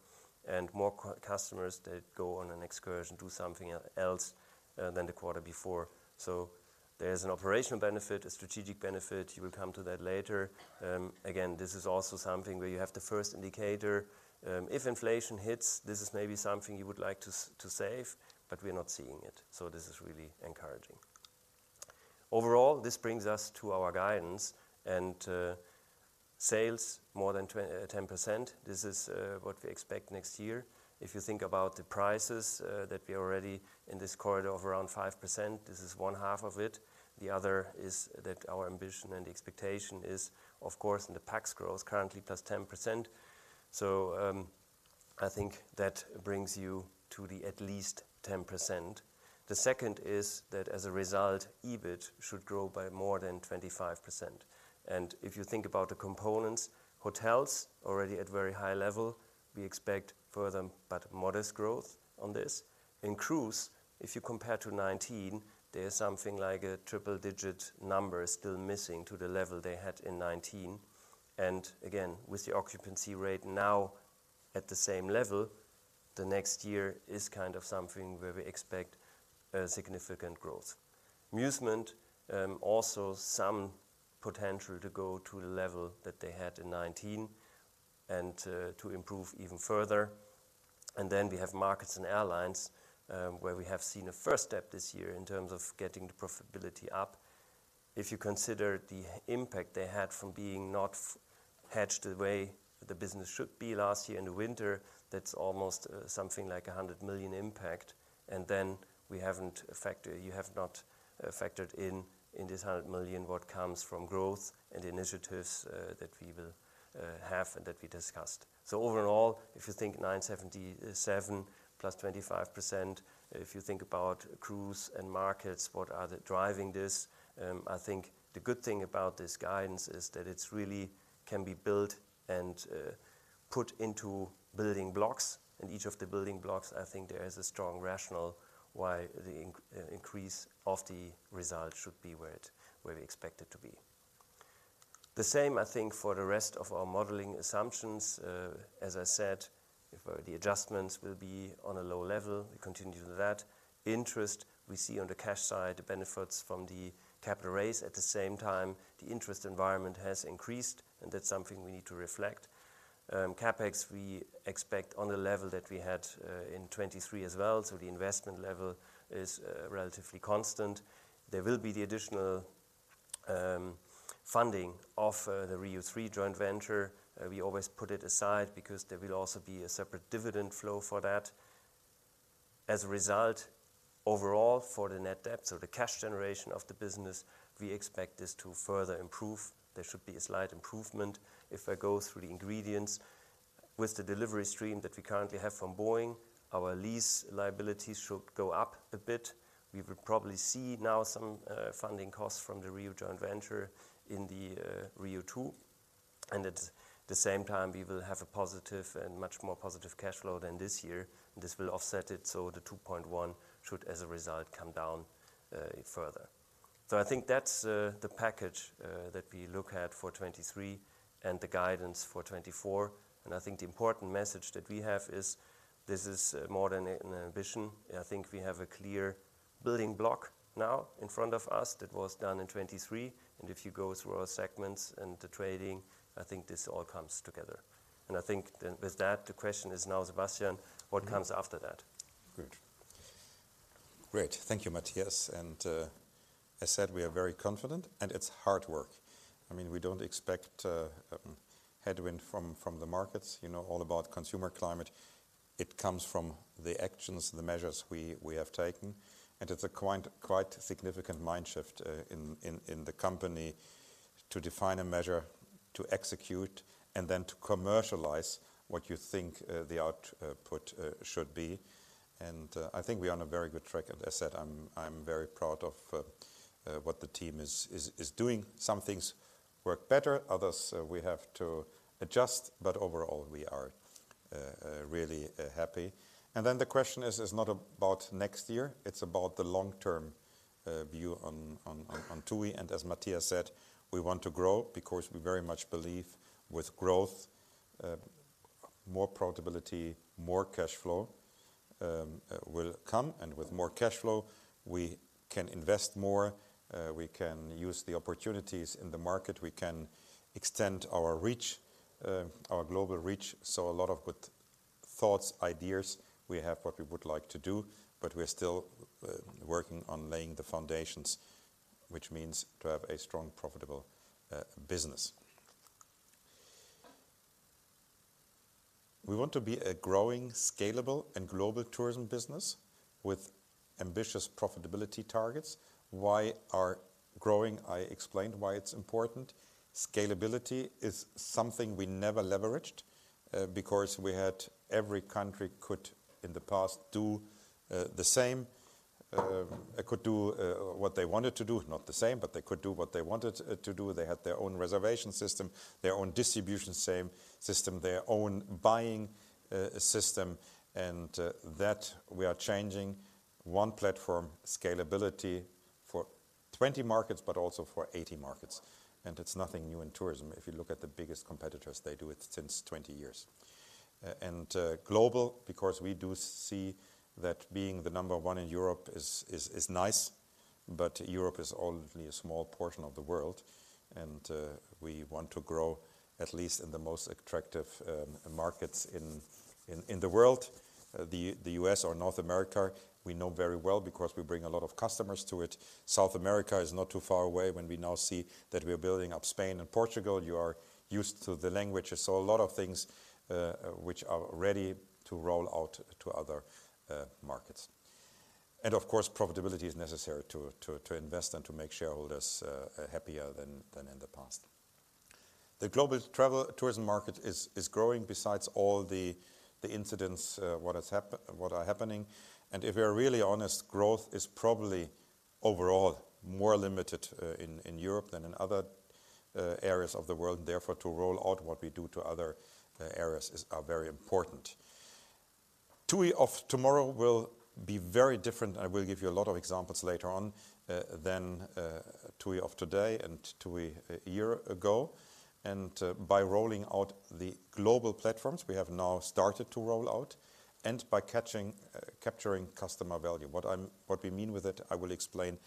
and more customers that go on an excursion, do something else, than the quarter before. So there is an operational benefit, a strategic benefit. You will come to that later. Again, this is also something where you have the first indicator. If inflation hits, this is maybe something you would like to save, but we are not seeing it, so this is really encouraging. Overall, this brings us to our guidance and sales more than 10%. This is what we expect next year. If you think about the prices that we are already in this quarter of around 5%, this is one half of it. The other is that our ambition and expectation is, of course, in the PAX growth, currently +10%. So, I think that brings you to the at least 10%. The second is that as a result, EBIT should grow by more than 25%. And if you think about the components, hotels already at very high level, we expect further but modest growth on this. In cruise, if you compare to 2019, there is something like a triple-digit number still missing to the level they had in 2019. And again, with the occupancy rate now at the same level, the next year is kind of something where we expect a significant growth. Musement also some potential to go to the level that they had in 2019 and to improve even further. And then we have markets and airlines, where we have seen a first step this year in terms of getting the profitability up. If you consider the impact they had from being not hedged the way the business should be last year in the winter, that's almost something like a 100 million impact. And then we haven't factored—you have not factored in, in this 100 million, what comes from growth and initiatives that we will have and that we discussed. So overall, if you think 977 plus 25%, if you think about cruise and markets, what are the driving this, I think the good thing about this guidance is that it's really can be built and put into building blocks. In each of the building blocks, I think there is a strong rationale why the increase of the result should be where it, where we expect it to be. The same, I think, for the rest of our modeling assumptions. As I said, if the adjustments will be on a low level, we continue to do that. Interest, we see on the cash side, the benefits from the capital raise. At the same time, the interest environment has increased, and that's something we need to reflect. CapEx, we expect on the level that we had in 2023 as well, so the investment level is relatively constant. There will be the additional funding of the RIU III joint venture. We always put it aside because there will also be a separate dividend flow for that. As a result, overall, for the net debt, so the cash generation of the business, we expect this to further improve. There should be a slight improvement. If I go through the ingredients, with the delivery stream that we currently have from Boeing, our lease liabilities should go up a bit. We will probably see now some funding costs from the RIU joint venture in the RIU II, and at the same time, we will have a positive and much more positive cash flow than this year, and this will offset it, so the 2.1 should, as a result, come down further. So I think that's the package that we look at for 2023 and the guidance for 2024. And I think the important message that we have is this is more than an ambition. I think we have a clear building block now in front of us that was done in 2023, and if you go through our segments and the trading, I think this all comes together. And I think then with that, the question is now, Sebastian, what comes after that? Great. Great. Thank you, Mathias. And, as said, we are very confident, and it's hard work. I mean, we don't expect headwind from the markets. You know all about consumer climate. It comes from the actions, the measures we have taken, and it's a quite significant mind shift in the company to define a measure, to execute, and then to commercialize what you think the output should be. And, I think we are on a very good track. As I said, I'm very proud of what the team is doing. Some things work better, others we have to adjust, but overall, we are really happy. And then the question is not about next year, it's about the long-term view on TUI. As Mathias said, we want to grow because we very much believe with growth, more profitability, more cash flow, will come, and with more cash flow, we can invest more, we can use the opportunities in the market, we can extend our reach, our global reach. So a lot of good thoughts, ideas we have what we would like to do, but we're still, working on laying the foundations, which means to have a strong, profitable, business. We want to be a growing, scalable and global tourism business with ambitious profitability targets. Why are growing? I explained why it's important. Scalability is something we never leveraged, because we had every country could, in the past, do, the same. They could do what they wanted to do, not the same, but they could do what they wanted to do. They had their own reservation system, their own distribution system, their own buying system, and that we are changing one platform scalability for 20 markets, but also for 80 markets. It's nothing new in tourism. If you look at the biggest competitors, they do it since 20 years. And global, because we do see that being the number one in Europe is nice, but Europe is only a small portion of the world, and we want to grow at least in the most attractive markets in the world. The U.S. or North America, we know very well because we bring a lot of customers to it. South America is not too far away when we now see that we are building up Spain and Portugal. You are used to the languages. So a lot of things which are ready to roll out to other markets. And of course, profitability is necessary to invest and to make shareholders happier than in the past. The global travel tourism market is growing besides all the incidents what has happened, what are happening. And if we are really honest, growth is probably overall more limited in Europe than in other areas of the world, and therefore, to roll out what we do to other areas is very important. TUI of tomorrow will be very different, I will give you a lot of examples later on, than TUI of today and TUI a year ago. By rolling out the global platforms, we have now started to roll out, and by capturing customer value. What we mean with it, I will explain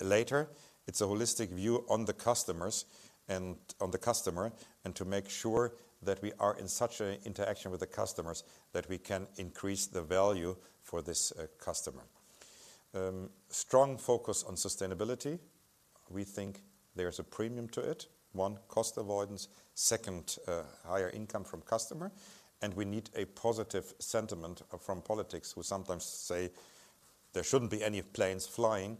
later. It's a holistic view on the customers and on the customer, and to make sure that we are in such a interaction with the customers that we can increase the value for this customer. Strong focus on sustainability. We think there's a premium to it. One, cost avoidance, second, higher income from customer, and we need a positive sentiment from politics, who sometimes say there shouldn't be any planes flying.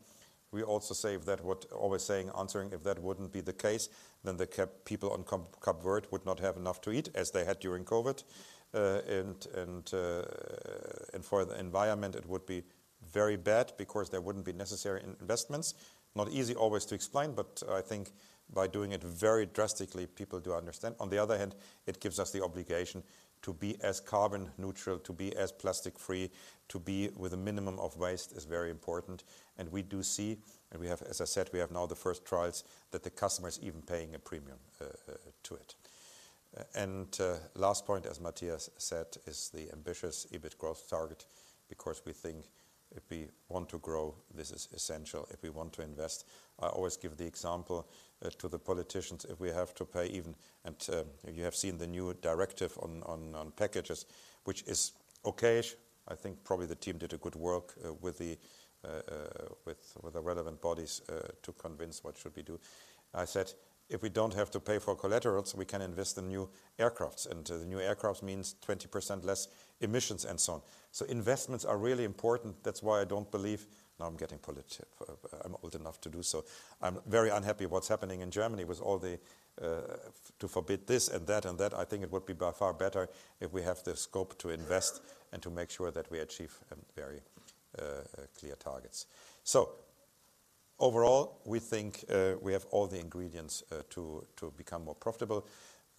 We also say that what always saying, answering, if that wouldn't be the case, then the Cape Verde people on Cape Verde would not have enough to eat as they had during COVID. for the environment, it would be very bad because there wouldn't be necessary investments. Not easy always to explain, but I think by doing it very drastically, people do understand. On the other hand, it gives us the obligation to be as carbon neutral, to be as plastic free, to be with a minimum of waste is very important. And we do see, and we have, as I said, we have now the first trials, that the customer is even paying a premium to it. Last point, as Mathias said, is the ambitious EBIT growth target, because we think if we want to grow, this is essential, if we want to invest. I always give the example to the politicians, if we have to pay even and you have seen the new directive on packages, which is okayish. I think probably the team did a good work with the relevant bodies to convince what should we do. I said, "If we don't have to pay for collaterals, we can invest in new aircrafts, and the new aircraft means 20% less emissions, and so on." So investments are really important. That's why I don't believe. Now I'm getting political. I'm old enough to do so. I'm very unhappy what's happening in Germany with all the to forbid this and that, and that. I think it would be by far better if we have the scope to invest and to make sure that we achieve very clear targets. So, overall, we think we have all the ingredients to become more profitable.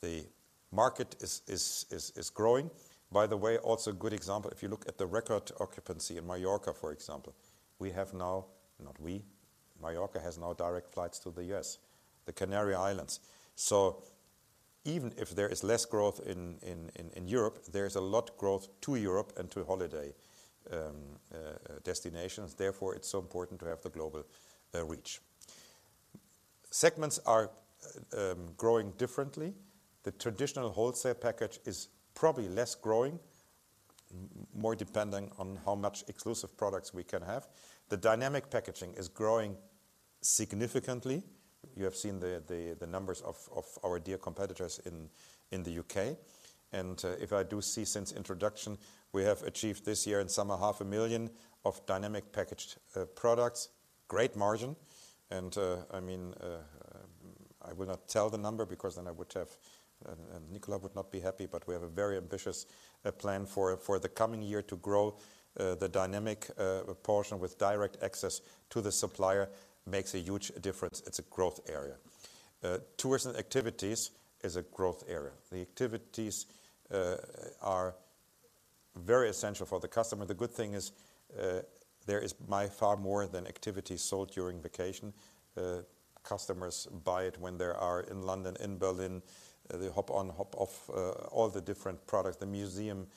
The market is growing. By the way, also a good example, if you look at the record occupancy in Mallorca, for example, we have now, not we, Mallorca has now direct flights to the U.S., the Canary Islands. So even if there is less growth in Europe, there is a lot growth to Europe and to holiday destinations. Therefore, it's so important to have the global reach. Segments are growing differently. The traditional wholesale package is probably less growing, more depending on how much exclusive products we can have. The dynamic packaging is growing significantly. You have seen the numbers of our dear competitors in the UK, and if I do see since introduction, we have achieved this year in summer, 500,000 Dynamic Packaging products. Great margin, and I mean, I will not tell the number because then I would have Nicola would not be happy. But we have a very ambitious plan for the coming year to grow the dynamic portion with direct access to the supplier makes a huge difference. It's a growth area. Tourism activities is a growth area. The activities are very essential for the customer. The good thing is, there is by far more than activities sold during vacation. Customers buy it when they are in London, in Berlin, the hop-on, hop-off, all the different products, the museum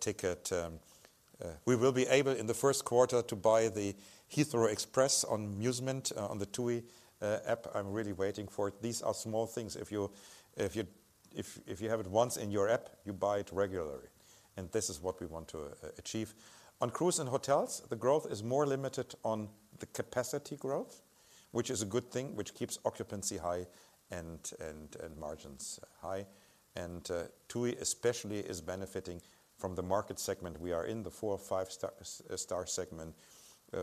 ticket. We will be able, in the first quarter, to buy the Heathrow Express on Musement, on the TUI app. I'm really waiting for it. These are small things. If you have it once in your app, you buy it regularly, and this is what we want to achieve. On cruise and hotels, the growth is more limited on the capacity growth, which is a good thing, which keeps occupancy high and margins high. TUI especially is benefiting from the market segment. We are in the four or five star segment,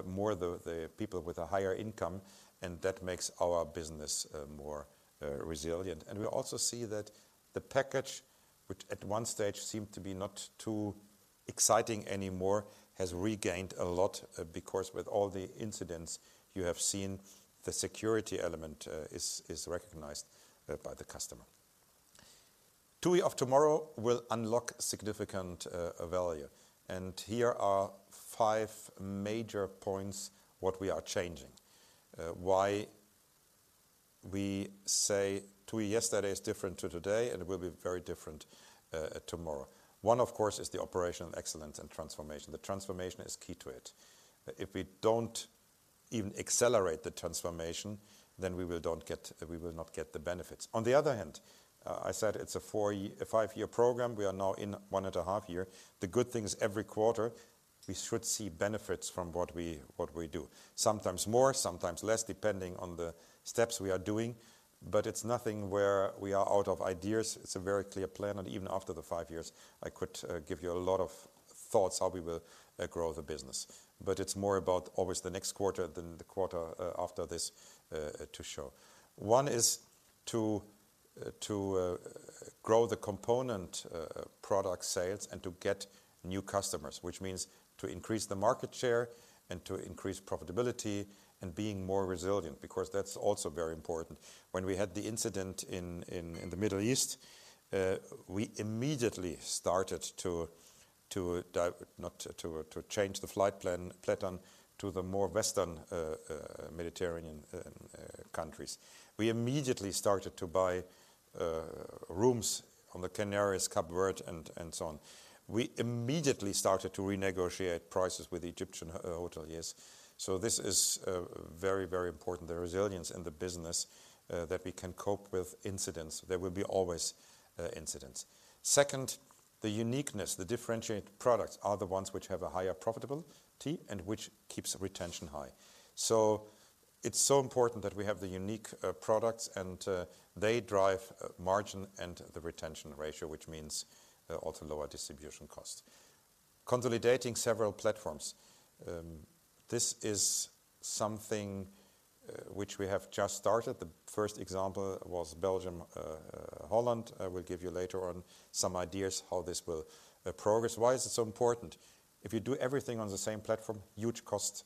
more the people with a higher income, and that makes our business more resilient. We also see that the package, which at one stage seemed to be not too exciting anymore, has regained a lot, because with all the incidents you have seen, the security element is recognized by the customer. TUI of tomorrow will unlock significant value, and here are five major points what we are changing. Why we say TUI yesterday is different to today and will be very different tomorrow. One, of course, is the operational excellence and transformation. The transformation is key to it. If we don't even accelerate the transformation, then we will not get the benefits. On the other hand, I said it's a 4-year, a 5-year program. We are now in 1.5 year. The good thing is every quarter, we should see benefits from what we do. Sometimes more, sometimes less, depending on the steps we are doing, but it's nothing where we are out of ideas. It's a very clear plan, and even after the five years, I could give you a lot of thoughts how we will grow the business. But it's more about always the next quarter than the quarter after this to show. One is to grow the component product sales and to get new customers, which means to increase the market share and to increase profitability and being more resilient, because that's also very important. When we had the incident in the Middle East, we immediately started to dive - not to change the flight plan to the more Western Mediterranean countries. We immediately started to buy rooms on the Canaries, Cape Verde, and so on. We immediately started to renegotiate prices with Egyptian hoteliers. So this is very, very important, the resilience in the business, that we can cope with incidents. There will be always incidents. Second, the uniqueness. The differentiated products are the ones which have a higher profitability and which keeps retention high. So it's so important that we have the unique products, and they drive margin and the retention ratio, which means also lower distribution costs. Consolidating several platforms. This is something which we have just started. The first example was Belgium, Holland. I will give you later on some ideas how this will progress. Why is it so important? If you do everything on the same platform, huge cost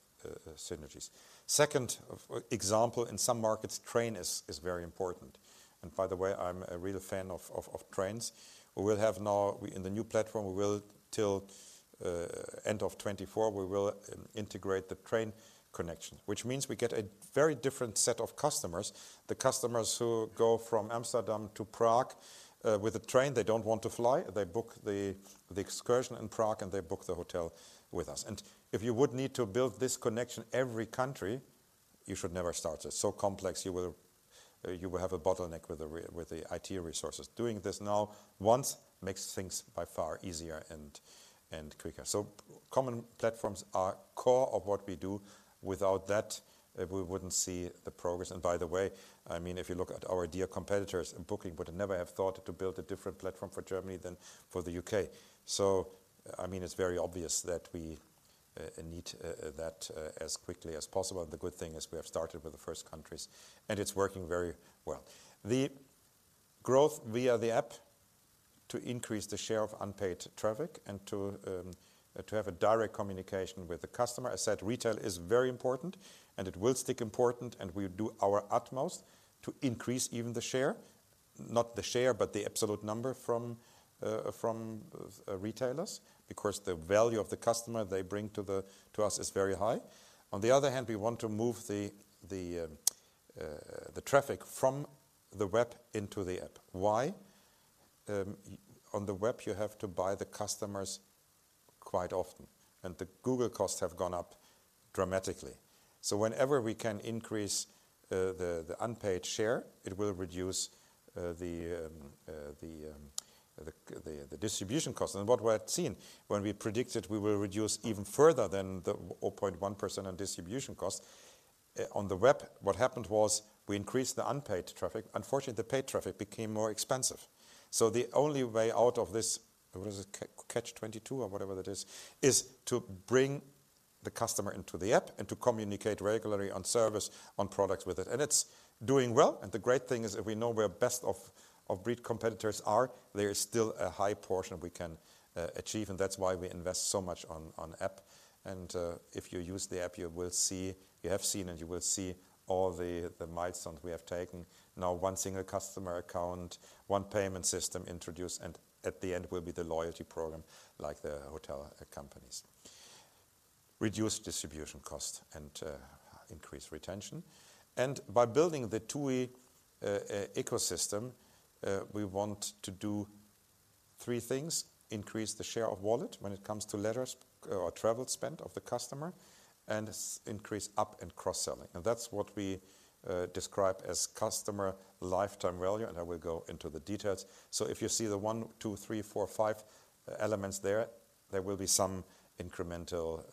synergies. Second example, in some markets, train is very important. And by the way, I'm a real fan of trains. We will have now, in the new platform, we will until the end of 2024, we will integrate the train connection, which means we get a very different set of customers. The customers who go from Amsterdam to Prague with a train, they don't want to fly. They book the excursion in Prague, and they book the hotel with us. And if you would need to build this connection, every country, you should never start this. So complex, you will have a bottleneck with the IT resources. Doing this now, once, makes things by far easier and quicker. So common platforms are core of what we do. Without that, we wouldn't see the progress. And by the way, I mean, if you look at our dear competitors, and Booking would never have thought to build a different platform for Germany than for the UK. So, I mean, it's very obvious that we need that as quickly as possible. And the good thing is we have started with the first countries, and it's working very well. The growth via the app to increase the share of unpaid traffic and to have a direct communication with the customer. I said retail is very important, and it will stay important, and we will do our utmost to increase even the share, not the share, but the absolute number from retailers, because the value of the customer they bring to us is very high. On the other hand, we want to move the traffic from the web into the app. Why? On the web, you have to buy the customers quite often, and the Google costs have gone up dramatically. So whenever we can increase the unpaid share, it will reduce the distribution cost. And what we had seen when we predicted we will reduce even further than the 0.1% on distribution costs, on the web, what happened was we increased the unpaid traffic. Unfortunately, the paid traffic became more expensive. So the only way out of this, what is it? Catch-22 or whatever it is, is to bring the customer into the app and to communicate regularly on service, on products with it. It's doing well, and the great thing is that we know where best of breed competitors are. There is still a high portion we can achieve, and that's why we invest so much on app. And if you use the app, you will see, you have seen and you will see all the milestones we have taken. Now, one single customer account, one payment system introduced, and at the end will be the loyalty program, like the hotel companies. Reduce distribution cost and increase retention. And by building the TUI ecosystem, we want to do three things: increase the share of wallet when it comes to letters or travel spend of the customer, and increase up and cross-selling. And that's what we describe as customer lifetime value, and I will go into the details. So if you see the 1, 2, 3, 4, 5 elements there, there will be some incremental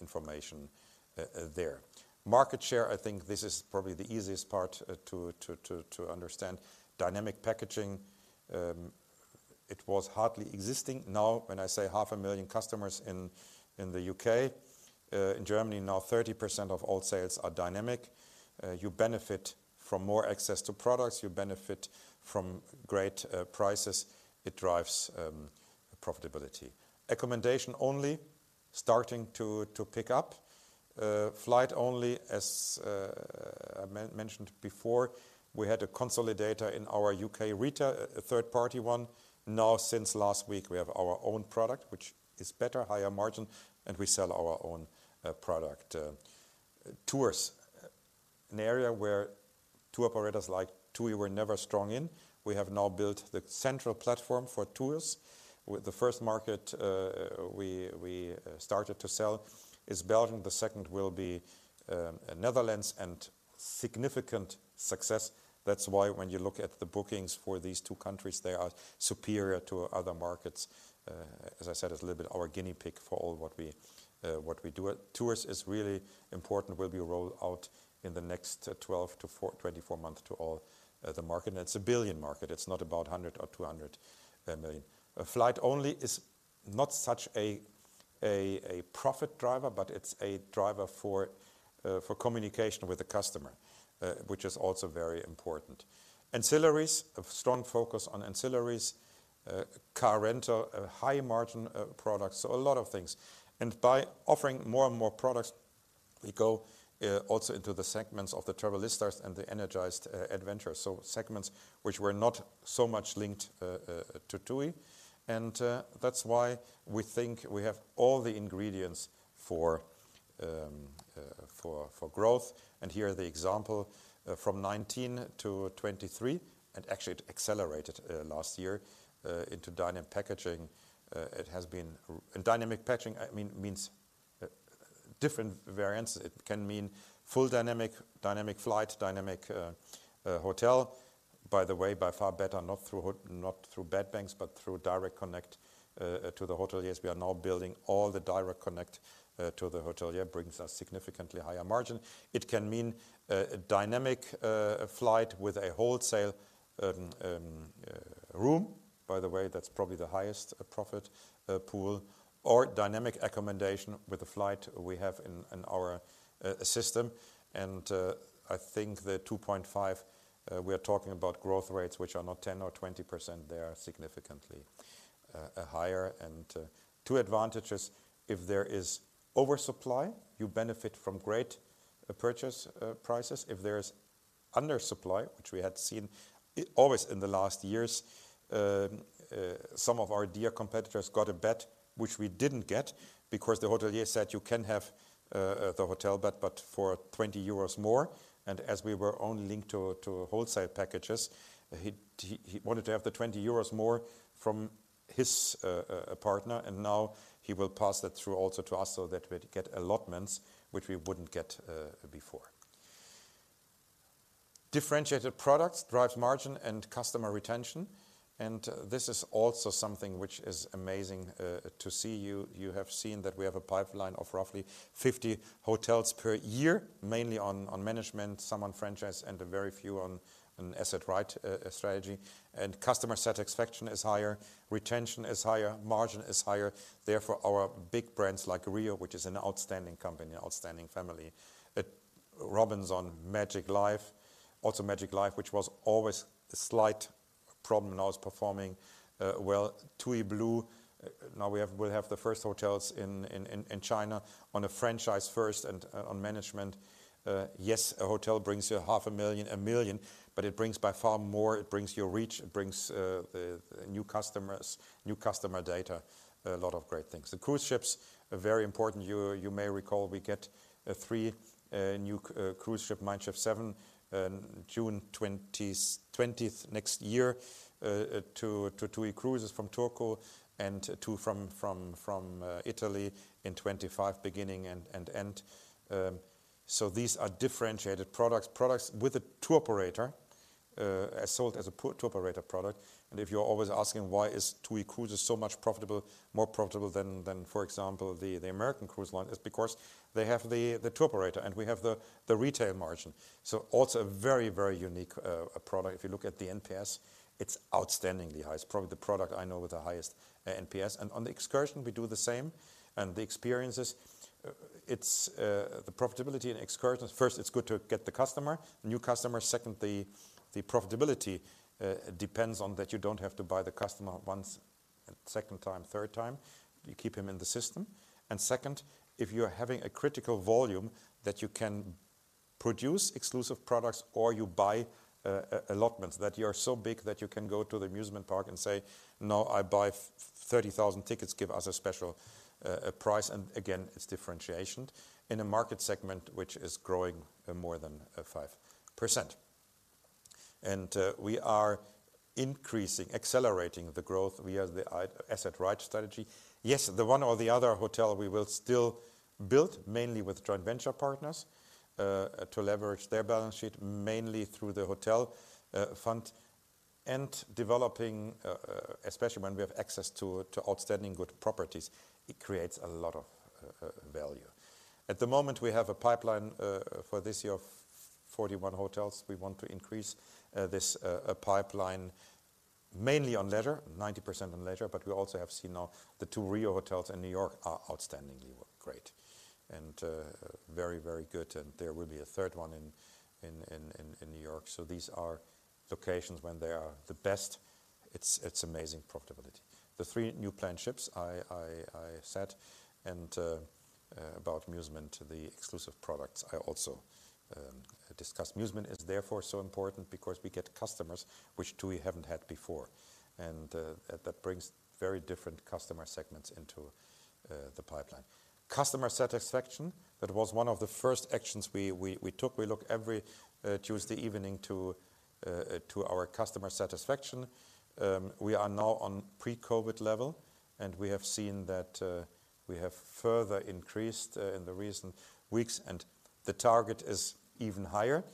information there. Market share, I think this is probably the easiest part to understand. Dynamic packaging, it was hardly existing. Now, when I say 500,000 customers in the UK, in Germany, now 30% of all sales are dynamic. You benefit from more access to products, you benefit from great prices. It drives profitability. Accommodation only, starting to pick up. Flight only, as I mentioned before, we had a consolidator in our UK retail, a third-party one. Now, since last week, we have our own product, which is better, higher margin, and we sell our own product. Tours, an area where tour operators like TUI were never strong in. We have now built the central platform for tours, with the first market we started to sell is Belgium. The second will be Netherlands, and significant success. That's why when you look at the bookings for these 2 countries, they are superior to other markets. As I said, it's a little bit our guinea pig for all what we do. Tours is really important, will be rolled out in the next 12-24 months to all the market. And it's a 1 billion market. It's not about 100 or 200 million. A flight only is not such a profit driver, but it's a driver for communication with the customer, which is also very important. Ancillaries, a strong focus on ancillaries, car rental, high margin products, so a lot of things. By offering more and more products, we go also into the segments of the Travelistas and the Energised Adventurers. So segments which were not so much linked to TUI, and that's why we think we have all the ingredients for growth. And here are the example from 2019 to 2023, and actually it accelerated last year into Dynamic Packaging. It has been. And Dynamic Packaging, I mean, means different variants. It can mean full dynamic, dynamic flight, dynamic hotel. By the way, by far better, not through bed banks, but through Direct Connect to the hotel. Yes, we are now building all the Direct Connect to the hotel. Yeah, brings us significantly higher margin. It can mean dynamic flight with a wholesale room. By the way, that's probably the highest profit pool, or dynamic accommodation with the flight we have in our system. I think the 2.5, we are talking about growth rates, which are not 10% or 20%, they are significantly higher. Two advantages: if there is oversupply, you benefit from great purchase prices; if there is undersupply, which we had seen always in the last years, some of our dear competitors got a bed, which we didn't get, because the hotelier said, "You can have the hotel bed, but for 20 euros more." And as we were only linked to wholesale packages, he wanted to have the 20 euros more from- -his partner, and now he will pass that through also to us so that we get allotments which we wouldn't get before. Differentiated products drives margin and customer retention, and this is also something which is amazing to see. You have seen that we have a pipeline of roughly 50 hotels per year, mainly on management, some on franchise, and a very few on an asset-light strategy. And customer satisfaction is higher, retention is higher, margin is higher. Therefore, our big brands like RIU, which is an outstanding company, outstanding family. Robinson, Magic Life, also Magic Life, which was always a slight problem, now is performing well. TUI Blue, now we'll have the first hotels in China on a franchise first and on management. Yes, a hotel brings you 500,000, 1,000,000, but it brings by far more. It brings you reach, it brings new customers, new customer data, a lot of great things. The cruise ships are very important. You may recall we get three new cruise ships, Mein Schiff 7, in June 2024, two to TUI Cruises from Turku and two from Italy in 2025 beginning and end. So these are differentiated products, products with a tour operator as sold as a tour operator product. And if you're always asking why is TUI Cruises so much more profitable than, for example, the American cruise lines, it's because they have the tour operator, and we have the retail margin. So also a very unique product. If you look at the NPS, it's outstandingly high. It's probably the product I know with the highest NPS. And on the excursion, we do the same. And the experiences, it's the profitability in excursions. First, it's good to get the customer, new customer. Second, the profitability depends on that you don't have to buy the customer once, second time, third time. You keep him in the system. And second, if you are having a critical volume that you can produce exclusive products or you buy allotments, that you are so big that you can go to the musement park and say, "No, I buy 30,000 tickets. Give us a special price." And again, it's differentiation in a market segment which is growing at more than 5%. We are increasing, accelerating the growth via the asset-light strategy. Yes, the one or the other hotel we will still build, mainly with joint venture partners, to leverage their balance sheet, mainly through the hotel fund, and developing, especially when we have access to outstanding good properties, it creates a lot of value. At the moment, we have a pipeline for this year of 41 hotels. We want to increase this pipeline, mainly on leisure, 90% on leisure, but we also have seen now the two RIU hotels in New York are outstandingly great and very, very good, and there will be a third one in New York. So these are locations when they are the best, it's amazing profitability. The three new planned ships I said, and about Musement, the exclusive products I also discussed. Musement is therefore so important because we get customers which TUI haven't had before, and that brings very different customer segments into the pipeline. Customer satisfaction, that was one of the first actions we took. We look every Tuesday evening to our customer satisfaction. We are now on pre-COVID level, and we have seen that we have further increased in the recent weeks, and the target is even higher.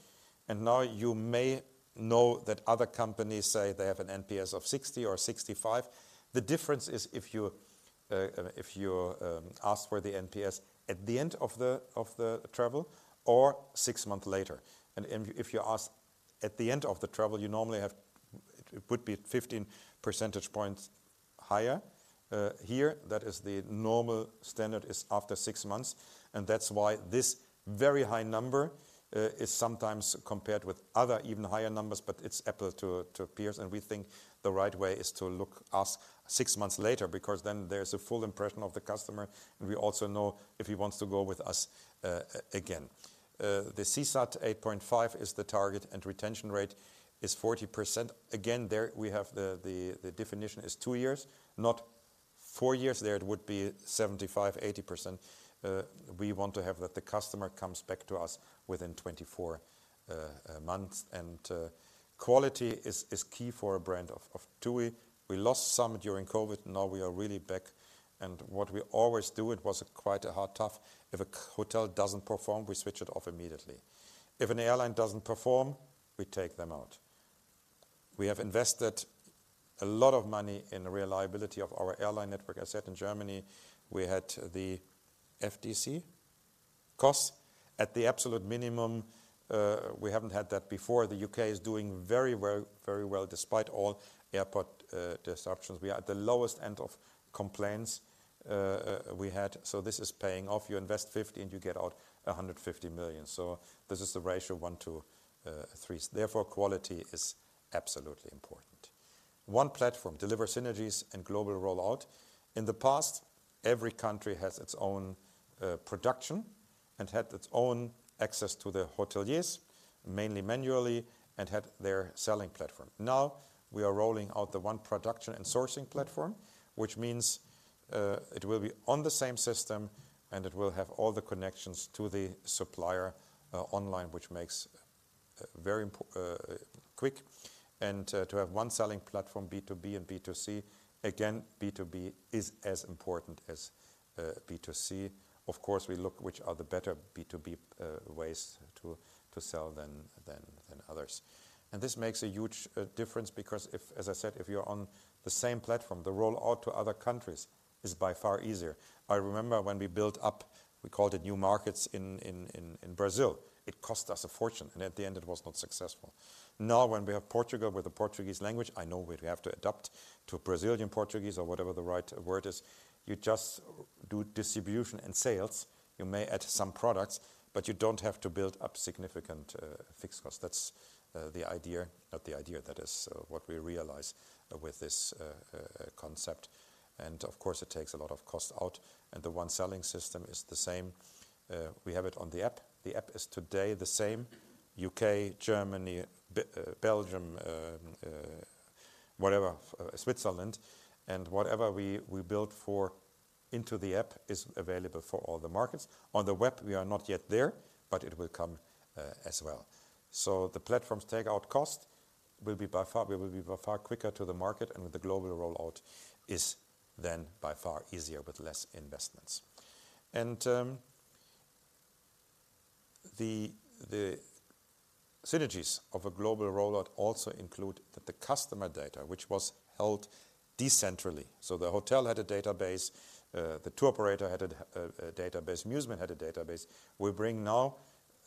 Now, you may know that other companies say they have an NPS of 60 or 65. The difference is if you ask for the NPS at the end of the travel or six months later, and if you ask at the end of the travel, you normally have it would be 15 percentage points higher. Here, that is the normal standard is after six months, and that's why this very high number is sometimes compared with other even higher numbers, but it's apples to peers, and we think the right way is to look, ask six months later, because then there's a full impression of the customer, and we also know if he wants to go with us again. The CSAT 8.5 is the target, and retention rate is 40%. Again, there we have the definition is two years, not four years. There it would be 75%-80%. We want to have that the customer comes back to us within 24 months. And quality is key for a brand of TUI. We lost some during COVID. Now we are really back, and what we always do, it was quite a hard, tough. If a hotel doesn't perform, we switch it off immediately. If an airline doesn't perform, we take them out. We have invested a lot of money in the reliability of our airline network. I said in Germany, we had the FDC costs at the absolute minimum. We haven't had that before. The UK is doing very well, very well, despite all airport disruptions. We are at the lowest end of complaints we had. So this is paying off. You invest 50 million, and you get out 150 million. So this is the ratio, 1 to 3. Therefore, quality is absolutely important. One platform delivers synergies and global rollout. In the past, every country has its own production and had its own access to the hoteliers, mainly manually, and had their selling platform. Now, we are rolling out the one production and sourcing platform, which means it will be on the same system, and it will have all the connections to the supplier online, which makes it very important and quick. And to have one selling platform, B2B and B2C, again, B2B is as important as B2C. Of course, we look which are the better B2B ways to sell than others. And this makes a huge difference, because if—as I said, if you're on the same platform, the roll-out to other countries is by far easier. I remember when we built up, we called it new markets, in Brazil. It cost us a fortune, and at the end, it was not successful. Now, when we have Portugal with the Portuguese language, I know we have to adapt to Brazilian Portuguese or whatever the right word is. You just do distribution and sales. You may add some products, but you don't have to build up significant fixed costs. That's the idea. Not the idea, that is what we realize with this concept. And of course, it takes a lot of cost out, and the one selling system is the same. We have it on the app. The app is today the same: U.K., Germany, Belgium, whatever, Switzerland, and whatever we build for into the app is available for all the markets. On the web, we are not yet there, but it will come, as well. So the platforms take out cost, will be by far, we will be by far quicker to the market, and the global rollout is then by far easier with less investments. The synergies of a global rollout also include the customer data, which was held decentrally. So the hotel had a database, the tour operator had a database, Musement had a database. We bring now,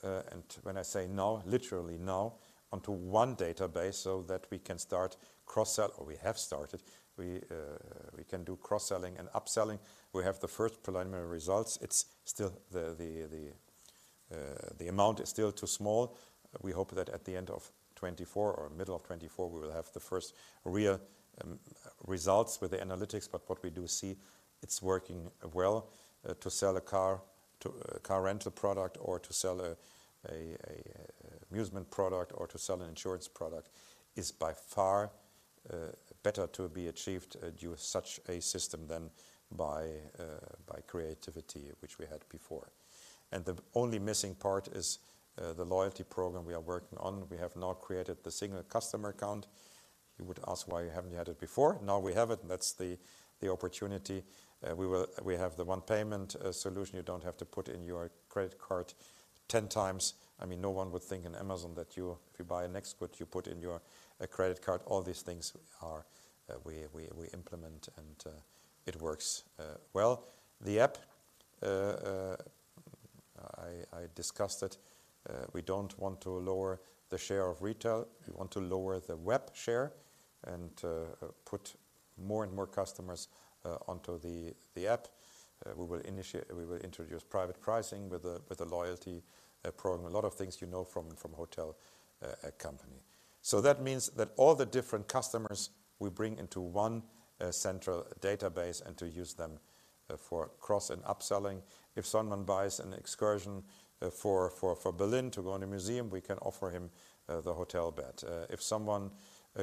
and when I say now, literally now, onto one database so that we can start cross-sell. Or we have started. We can do cross-selling and upselling. We have the first preliminary results. It's still the amount is still too small. We hope that at the end of 2024 or middle of 2024, we will have the first real results with the analytics, but what we do see, it's working well. To sell a car, to a car rental product, or to sell a musement product, or to sell an insurance product, is by far better to be achieved due to such a system than by creativity, which we had before. And the only missing part is the loyalty program we are working on. We have now created the single customer account. You would ask, why you haven't had it before? Now we have it, and that's the opportunity. We have the one payment solution. You don't have to put in your credit card 10x. I mean, no one would think in Amazon that you, if you buy a next good, you put in your credit card. All these things are, we implement and, it works, well. The app, I discussed it. We don't want to lower the share of retail. We want to lower the web share and, put more and more customers, onto the app. We will introduce private pricing with a loyalty program. A lot of things you know from hotel company. So that means that all the different customers we bring into one central database and to use them for cross and upselling. If someone buys an excursion for Berlin to go in a museum, we can offer him the hotel bed. If someone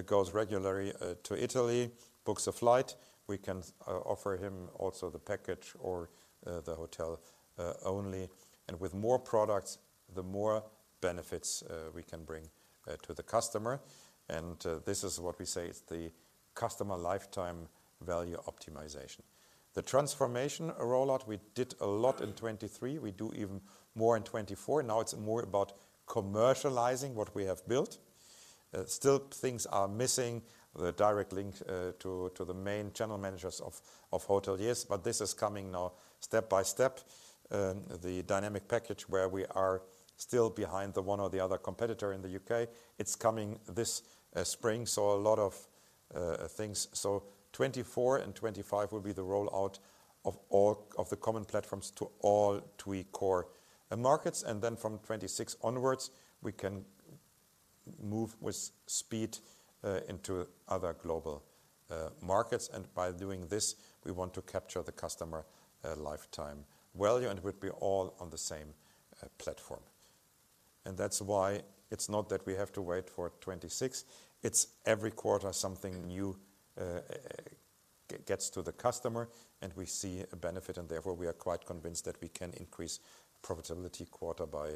goes regularly to Italy, books a flight, we can offer him also the package or the hotel only. And with more products, the more benefits we can bring to the customer. This is what we say is the customer lifetime value optimization. The transformation rollout, we did a lot in 2023. We do even more in 2024. Now it's more about commercializing what we have built. Still things are missing, the direct link to the main channel managers of hoteliers, but this is coming now step by step. The Dynamic Packaging, where we are still behind the one or the other competitor in the UK, it's coming this spring, so a lot of things. So 2024 and 2025 will be the rollout of all of the common platforms to all TUI core markets. And then from 2026 onwards, we can move with speed into other global markets. And by doing this, we want to capture the customer lifetime value, and it would be all on the same platform. And that's why it's not that we have to wait for 2026. It's every quarter, something new gets to the customer, and we see a benefit, and therefore, we are quite convinced that we can increase profitability quarter by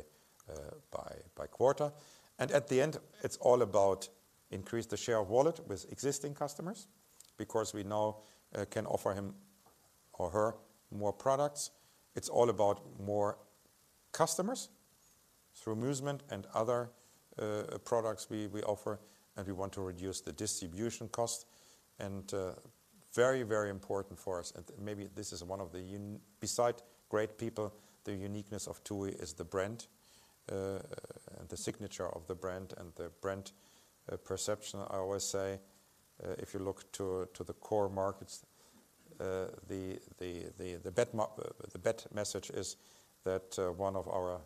quarter. At the end, it's all about increase the share of wallet with existing customers because we now can offer him or her more products. It's all about more customers through Musement and other products we offer, and we want to reduce the distribution cost. Very, very important for us, and maybe this is one of the beside great people, the uniqueness of TUI is the brand and the signature of the brand and the brand perception. I always say if you look to the core markets, the best message is that one of our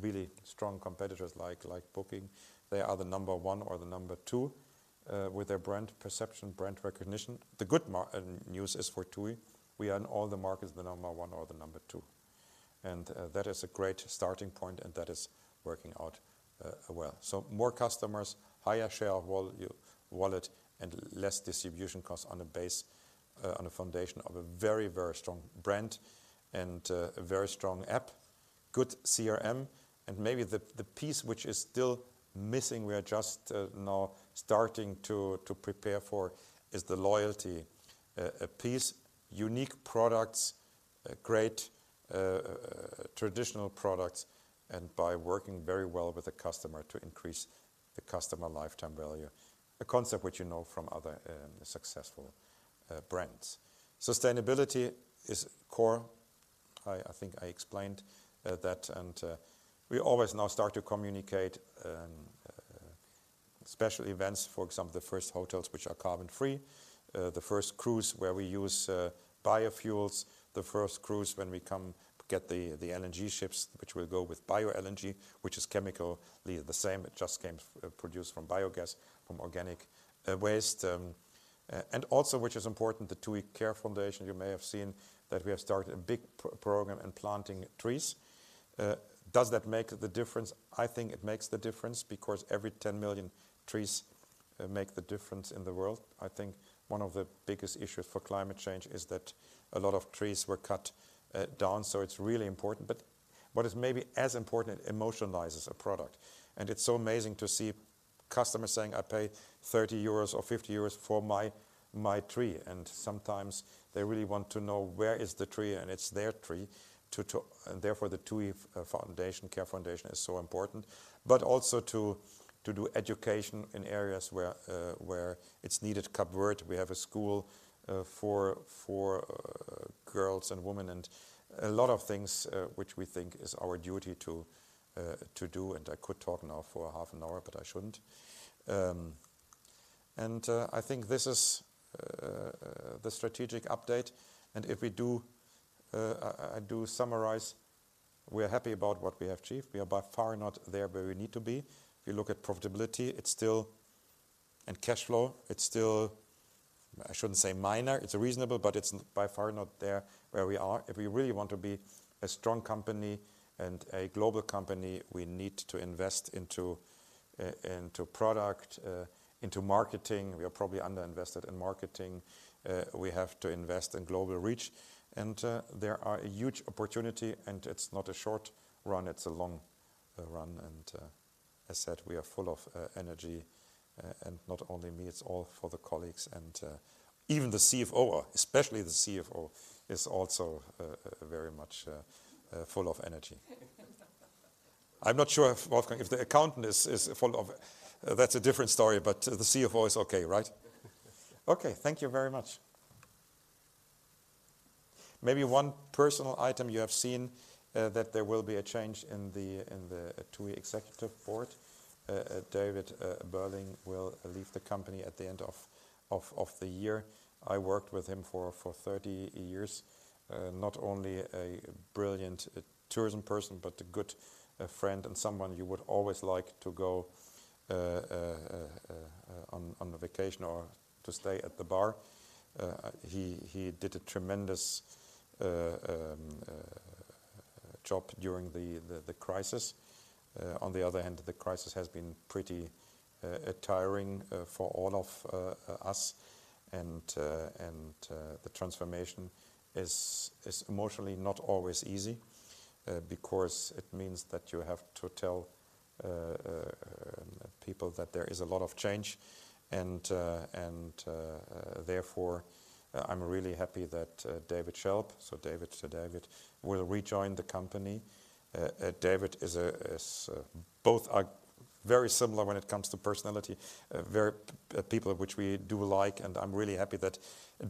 really strong competitors, like Booking, they are the number one or the number two with their brand perception, brand recognition. The good news is for TUI, we are in all the markets, the number 1 or the number 2, and that is a great starting point, and that is working out well. So more customers, higher share of wallet, and less distribution costs on a base on a foundation of a very, very strong brand and a very strong app, good CRM, and maybe the piece which is still missing, we are just now starting to prepare for, is the loyalty a piece, unique products great traditional products, and by working very well with the customer to increase the customer lifetime value. A concept which you know from other successful brands. Sustainability is core. I think I explained that, and we always now start to communicate special events, for example, the first hotels which are carbon-free, the first cruise where we use biofuels, the first cruise when we come to get the LNG ships, which will go with bio LNG, which is chemically the same, it just came produced from biogas, from organic waste. And also, which is important, the TUI Care Foundation. You may have seen that we have started a big program in planting trees. Does that make the difference? I think it makes the difference, because every 10 million trees make the difference in the world. I think one of the biggest issues for climate change is that a lot of trees were cut down, so it's really important. But what is maybe as important, it emotionalizes a product. It's so amazing to see customers saying, "I pay 30 euros or 50 euros for my tree." Sometimes they really want to know where is the tree, and it's their tree. Therefore, the TUI Care Foundation is so important, but also to do education in areas where it's needed. Cape Verde, we have a school for girls and women, and a lot of things which we think is our duty to do. I could talk now for a half an hour, but I shouldn't. I think this is the strategic update. If we do, I do summarize, we're happy about what we have achieved. We are by far not there where we need to be. If you look at profitability, it's still and cash flow, it's still, I shouldn't say minor, it's reasonable, but it's by far not there where we are. If we really want to be a strong company and a global company, we need to invest into, into product, into marketing. We are probably underinvested in marketing. We have to invest in global reach, and, there are a huge opportunity, and it's not a short run, it's a long, run. And, as I said, we are full of, energy, and not only me, it's all for the colleagues. And, even the CFO, especially the CFO, is also, very much, full of energy. I'm not sure if Wolfgang, if the accountant is, is full of, that's a different story, but the CFO is okay, right? Okay, thank you very much. Maybe one personal item you have seen, that there will be a change in the TUI executive board. David Burling will leave the company at the end of the year. I worked with him for 30 years. Not only a brilliant tourism person, but a good friend and someone you would always like to go on a vacation or to stay at the bar. He did a tremendous job during the crisis. On the other hand, the crisis has been pretty tiring for all of us. The transformation is emotionally not always easy, because it means that you have to tell people that there is a lot of change. Therefore, I'm really happy that David Schelp, so David to David, will rejoin the company. Both are very similar when it comes to personality, very people which we do like, and I'm really happy that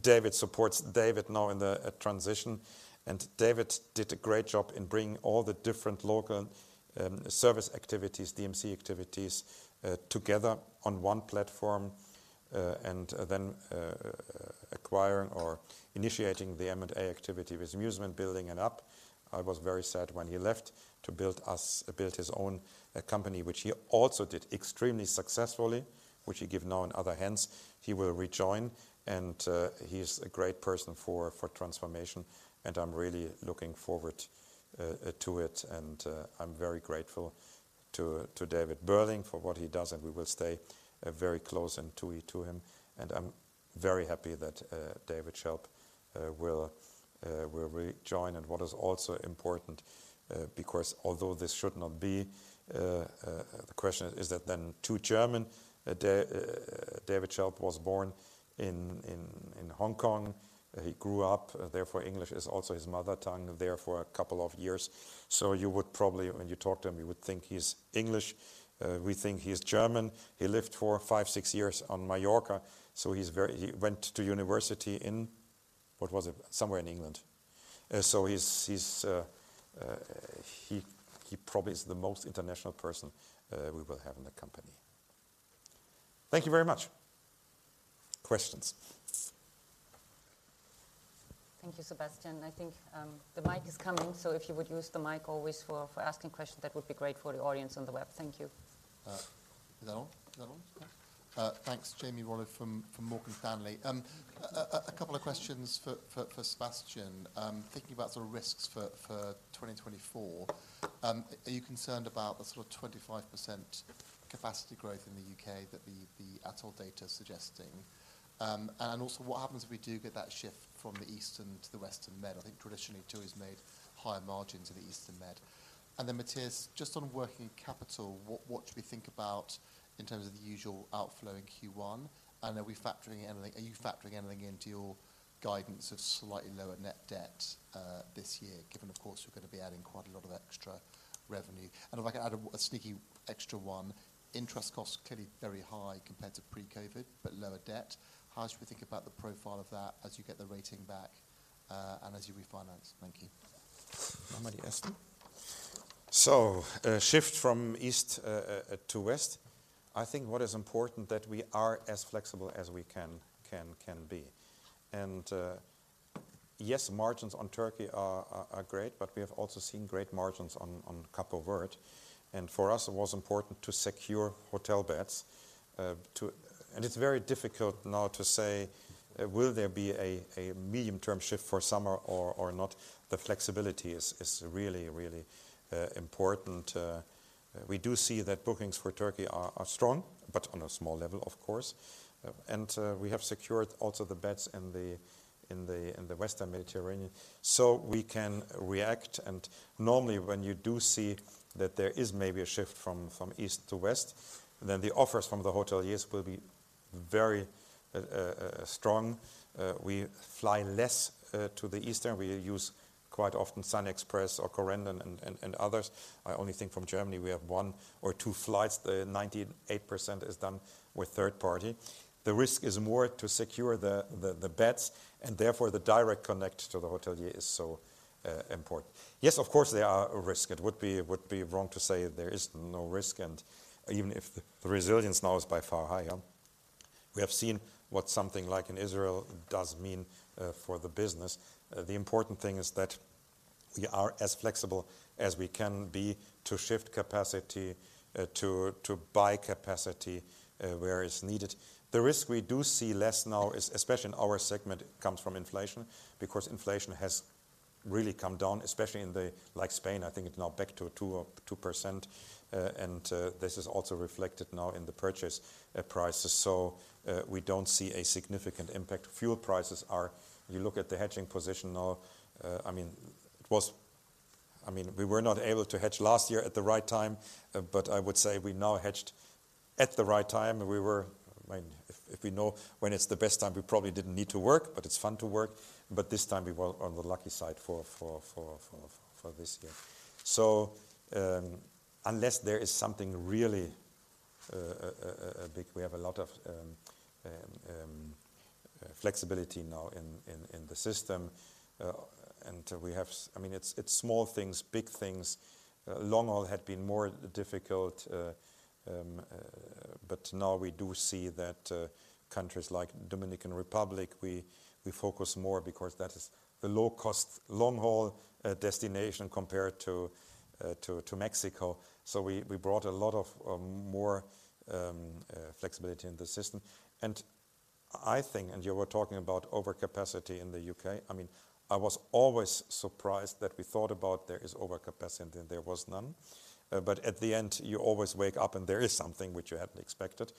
David supports David now in the transition. David did a great job in bringing all the different local service activities, DMC activities, together on one platform, and then acquiring or initiating the M&A activity with Musement, building it up. I was very sad when he left to build his own company, which he also did extremely successfully, which he give now in other hands. He will rejoin, and he's a great person for transformation, and I'm really looking forward to it. I'm very grateful to David Burling for what he does, and we will stay very close in TUI to him. I'm very happy that David Schelp will rejoin. What is also important, because although this should not be the question is that then two German, David Schelp was born in Hong Kong. He grew up, therefore, English is also his mother tongue, there for a couple of years. So you would probably, when you talk to him, you would think he's English. We think he's German. He lived for 5-6 years on Mallorca, so he's very. He went to university in, what was it? Somewhere in England. So he's probably the most international person we will have in the company. Thank you very much. Questions? Thank you, Sebastian. I think, the mic is coming, so if you would use the mic always for asking questions, that would be great for the audience on the web. Thank you. Is that on? Is that on? Thanks. Jamie Rollo from Morgan Stanley. A couple of questions for Sebastian. Thinking about the risks for 2024, are you concerned about the sort of 25% capacity growth in the U.K.?The ATOL data suggesting? And also what happens if we do get that shift from the Eastern to the Western Med? I think traditionally, TUI's made higher margins in the Eastern Med. And then, Mathias, just on working capital, what should we think about in terms of the usual outflow in Q1? And are we factoring anything-- are you factoring anything into your guidance of slightly lower net debt this year, given, of course, you're going to be adding quite a lot of extra revenue? If I could add a sneaky extra one: interest costs clearly very high compared to pre-COVID, but lower debt. How should we think about the profile of that as you get the rating back, and as you refinance? Thank you. I'm ready, [inaudible] So, shift from east to west. I think what is important that we are as flexible as we can be. And, yes, margins on Turkey are great, but we have also seen great margins on Cape Verde. And for us, it was important to secure hotel beds to. And it's very difficult now to say, will there be a medium-term shift for summer or not? The flexibility is really, really important. We do see that bookings for Turkey are strong, but on a small level, of course, and we have secured also the beds in the Western Mediterranean. So we can react, and normally, when you do see that there is maybe a shift from east to west, then the offers from the hoteliers will be very strong. We fly less to the eastern. We use quite often SunExpress or Corendon and others. I only think from Germany, we have one or two flights. 98% is done with third party. The risk is more to secure the beds, and therefore, the direct connect to the hotelier is so important. Yes, of course, there are a risk. It would be wrong to say there is no risk, and even if the resilience now is by far higher, we have seen what something like in Israel does mean for the business. The important thing is that we are as flexible as we can be to shift capacity, to buy capacity where is needed. The risk we do see less now is, especially in our segment, comes from inflation, because inflation has really come down, especially in, like Spain, I think it's now back to 2 or 2%. And this is also reflected now in the purchase prices. So, we don't see a significant impact. Fuel prices are, you look at the hedging position now, I mean, it was-- I mean, we were not able to hedge last year at the right time, but I would say we now hedged at the right time. We were, I mean, if we know when it's the best time, we probably didn't need to work, but it's fun to work. But this time we were on the lucky side for this year. So, unless there is something really big, we have a lot of flexibility now in the system, and we have—I mean, it's small things, big things. Long haul had been more difficult, but now we do see that countries like Dominican Republic, we focus more because that is the low-cost, long-haul destination compared to Mexico. So we brought a lot of more flexibility in the system. And I think, and you were talking about overcapacity in the UK, I mean, I was always surprised that we thought about there is overcapacity, and then there was none. But at the end, you always wake up, and there is something which you hadn't expected.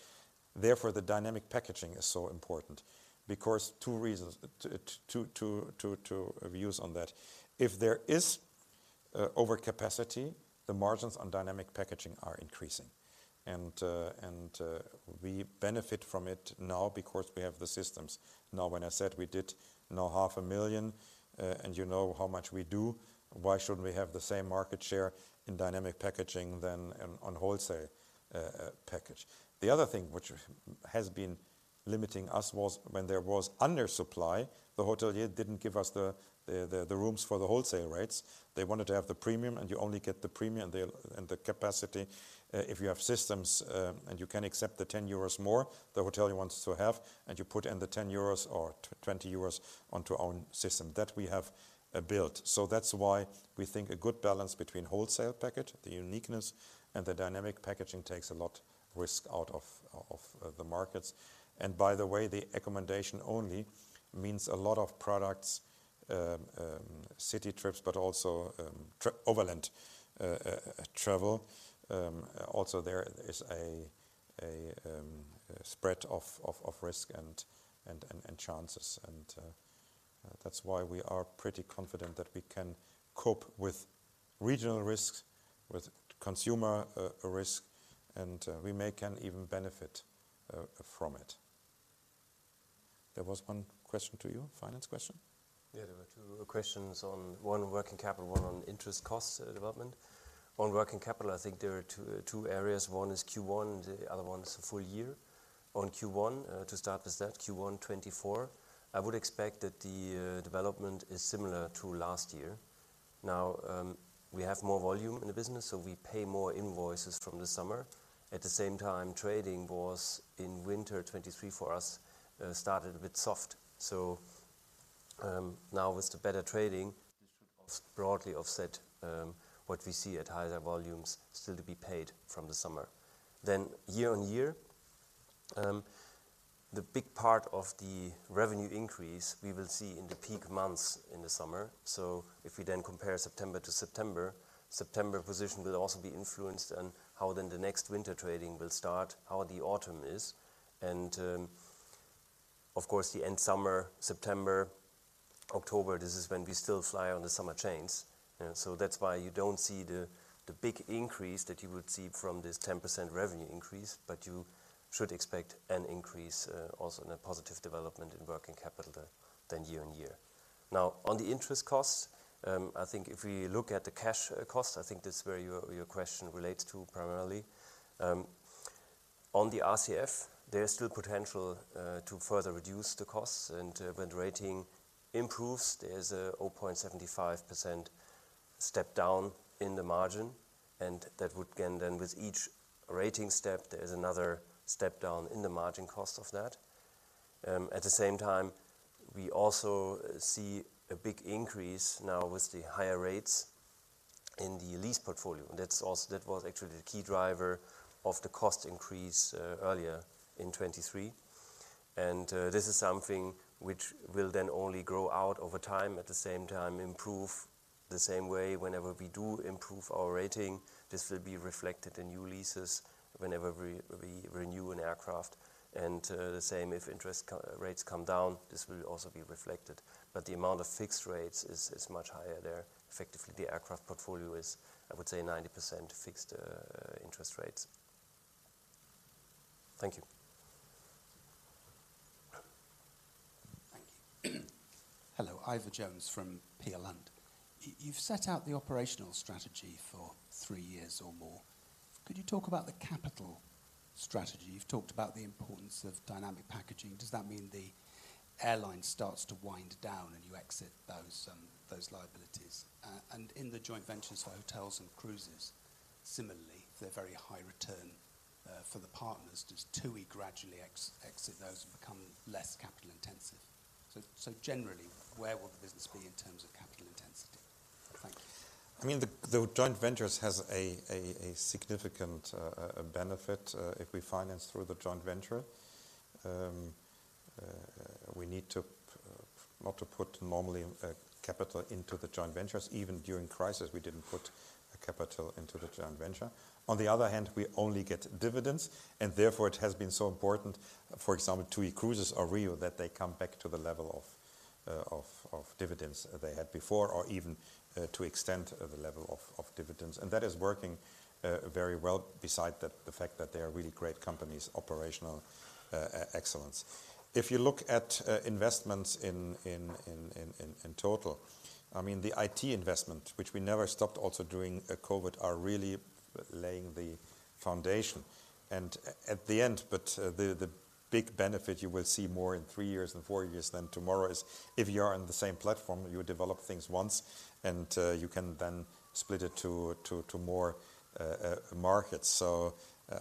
Therefore, the Dynamic Packaging is so important. Because two reasons, two views on that. If there is overcapacity, the margins on Dynamic Packaging are increasing, and we benefit from it now because we have the systems. Now, when I said we did know 500,000, and you know how much we do, why shouldn't we have the same market share in Dynamic Packaging than on wholesale package? The other thing which has been limiting us was when there was undersupply, the hotelier didn't give us the rooms for the wholesale rates. They wanted to have the premium, and you only get the premium and the capacity if you have systems and you can accept the 10 euros more the hotelier wants to have, and you put in the 10 euros or 20 euros onto our own system that we have built. So that's why we think a good balance between Wholesale Package, the uniqueness, and the Dynamic Packaging takes a lot risk out of the markets. And by the way, the accommodation only means a lot of products, city trips, but also overland travel. Also, there is a spread of risk and chances, and that's why we are pretty confident that we can cope with regional risks, with consumer risk, and we may can even benefit from it. There was one question to you, finance question? Yeah, there were two questions on. One working capital, one on interest cost, development. On working capital, I think there are two, two areas. One is Q1, the other one is full year. On Q1, to start with that, Q1 2024, I would expect that the development is similar to last year. Now, we have more volume in the business, so we pay more invoices from the summer. At the same time, trading was in winter 2023 for us started a bit soft. So, now with the better trading, it should broadly offset what we see at higher volumes still to be paid from the summer. Then year-on-year the big part of the revenue increase we will see in the peak months in the summer. So if we then compare September to September, September position will also be influenced on how then the next winter trading will start, how the autumn is. And, of course, the end summer, September, October, this is when we still fly on the summer chains. And so that's why you don't see the, the big increase that you would see from this 10% revenue increase, but you should expect an increase, also in a positive development in working capital than, than year-on-year. Now, on the interest costs, I think if we look at the cash, cost, I think this is where your, your question relates to primarily. On the RCF, there is still potential to further reduce the costs, and when the rating improves, there's a 0.75% step down in the margin, and that would again, then with each rating step, there is another step down in the margin cost of that. At the same time, we also see a big increase now with the higher rates in the lease portfolio. That's also. That was actually the key driver of the cost increase earlier in 2023. And this is something which will then only grow out over time, at the same time, improve the same way. Whenever we do improve our rating, this will be reflected in new leases whenever we renew an aircraft, and the same if interest rates come down, this will also be reflected. But the amount of fixed rates is much higher there. Effectively, the aircraft portfolio is, I would say, 90% fixed interest rates. Thank you. Thank you. Hello, Ivor Jones from Peel Hunt. You've set out the operational strategy for three years or more. Could you talk about the capital strategy? You've talked about the importance of dynamic packaging. Does that mean the airline starts to wind down, and you exit those, those liabilities? And in the joint ventures, so hotels and cruises, similarly, they're very high return for the partners. Does TUI gradually exit those and become less capital intensive? So, generally, where will the business be in terms of capital intensity? Thank you. I mean, the joint ventures has a significant benefit if we finance through the joint venture. We need not to put normally capital into the joint ventures. Even during crisis, we didn't put a capital into the joint venture. On the other hand, we only get dividends, and therefore it has been so important, for example, TUI Cruises or RIU, that they come back to the level of dividends they had before, or even to extend the level of dividends. And that is working very well beside the fact that they are really great companies, operational excellence. If you look at investments in total, I mean, the IT investment, which we never stopped also during COVID, are really laying the foundation. At the end, but the big benefit you will see more in three years and four years than tomorrow is if you are on the same platform, you develop things once and you can then split it to more markets. So,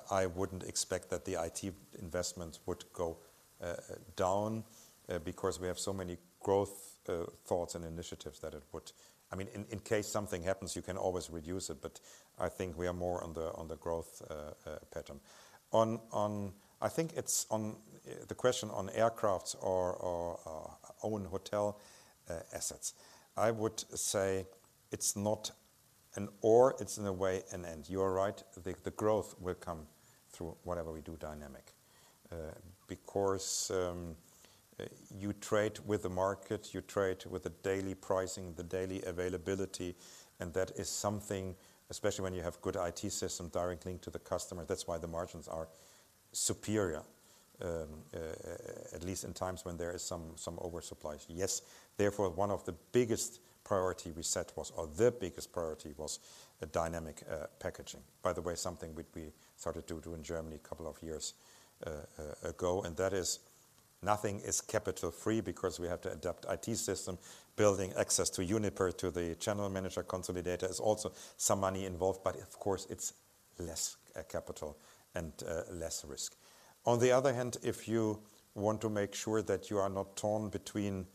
I wouldn't expect that the IT investments would go down because we have so many growth thoughts and initiatives that it would. I mean, in case something happens, you can always reduce it, but I think we are more on the growth pattern. On—I think it's on the question on aircrafts or own hotel assets. I would say it's not an or, it's in a way, an and. You are right, the growth will come through whatever we do dynamic. Because you trade with the market, you trade with the daily pricing, the daily availability, and that is something, especially when you have good IT system directly linked to the customer, that's why the margins are superior, at least in times when there is some oversupply. Yes, therefore, one of the biggest priority we set was, or the biggest priority was a Dynamic Packaging. By the way, something which we started to do in Germany a couple of years ago, and that is nothing is capital free because we have to adapt IT system, building access to Juniper, to the Channel Manager consolidator, is also some money involved, but of course, it's less capital and less risk. On the other hand, if you want to make sure that you are not torn between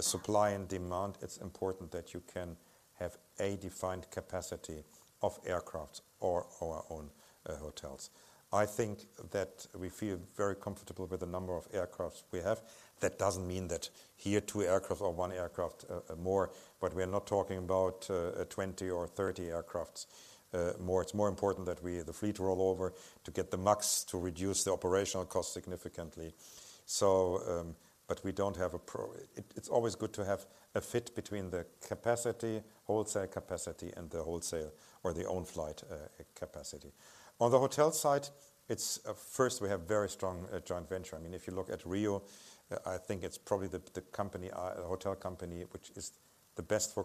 supply and demand, it's important that you can have a defined capacity of aircraft or our own hotels. I think that we feel very comfortable with the number of aircraft we have. That doesn't mean that here, 2 aircraft or 1 aircraft more, but we are not talking about 20 or 30 aircraft more. It's more important that we, the fleet rollover, to get the MAX, to reduce the operational costs significantly. So, but we don't have it, it's always good to have a fit between the capacity, wholesale capacity, and the wholesale or the own flight capacity. On the hotel side, it's first, we have very strong joint venture. I mean, if you look at RIU, I think it's probably the hotel company which is the best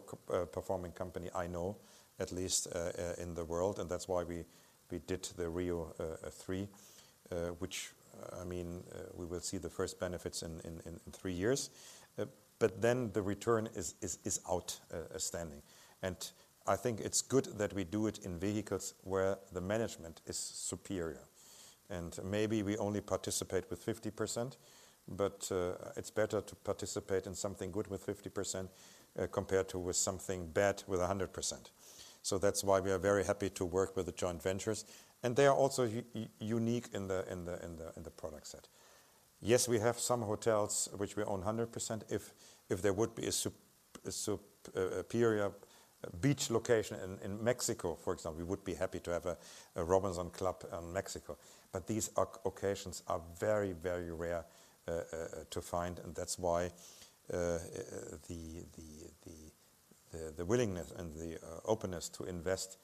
performing company I know, at least in the world, and that's why we did the RIU three, which, I mean, we will see the first benefits in three years. But then the return is outstanding. And I think it's good that we do it in vehicles where the management is superior. And maybe we only participate with 50%, but it's better to participate in something good with 50%, compared to with something bad with 100%. So that's why we are very happy to work with the joint ventures, and they are also unique in the product set. Yes, we have some hotels which we own 100%. If there would be a superb beach location in Mexico, for example, we would be happy to have a Robinson Club in Mexico. But these occasions are very, very rare to find, and that's why the willingness and the openness to invest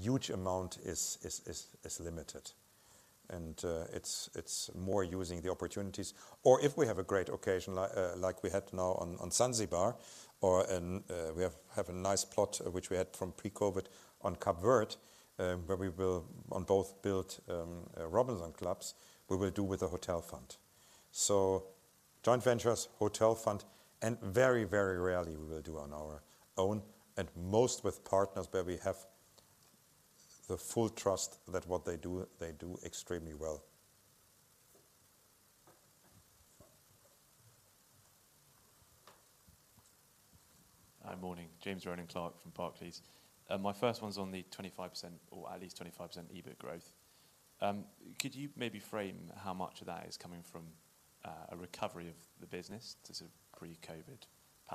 huge amount is limited. It's more using the opportunities. Or if we have a great occasion, like we had now on Zanzibar, or we have a nice plot which we had from pre-COVID on Cape Verde, where we will on both build Robinson Clubs, we will do with the hotel fund. Joint ventures, hotel fund, and very, very rarely we will do on our own, and most with partners where we have the full trust that what they do, they do extremely well. Hi, morning. James Rowland Clark from Barclays. My first one's on the 25% or at least 25% EBIT growth. Could you maybe frame how much of that is coming from a recovery of the business to sort of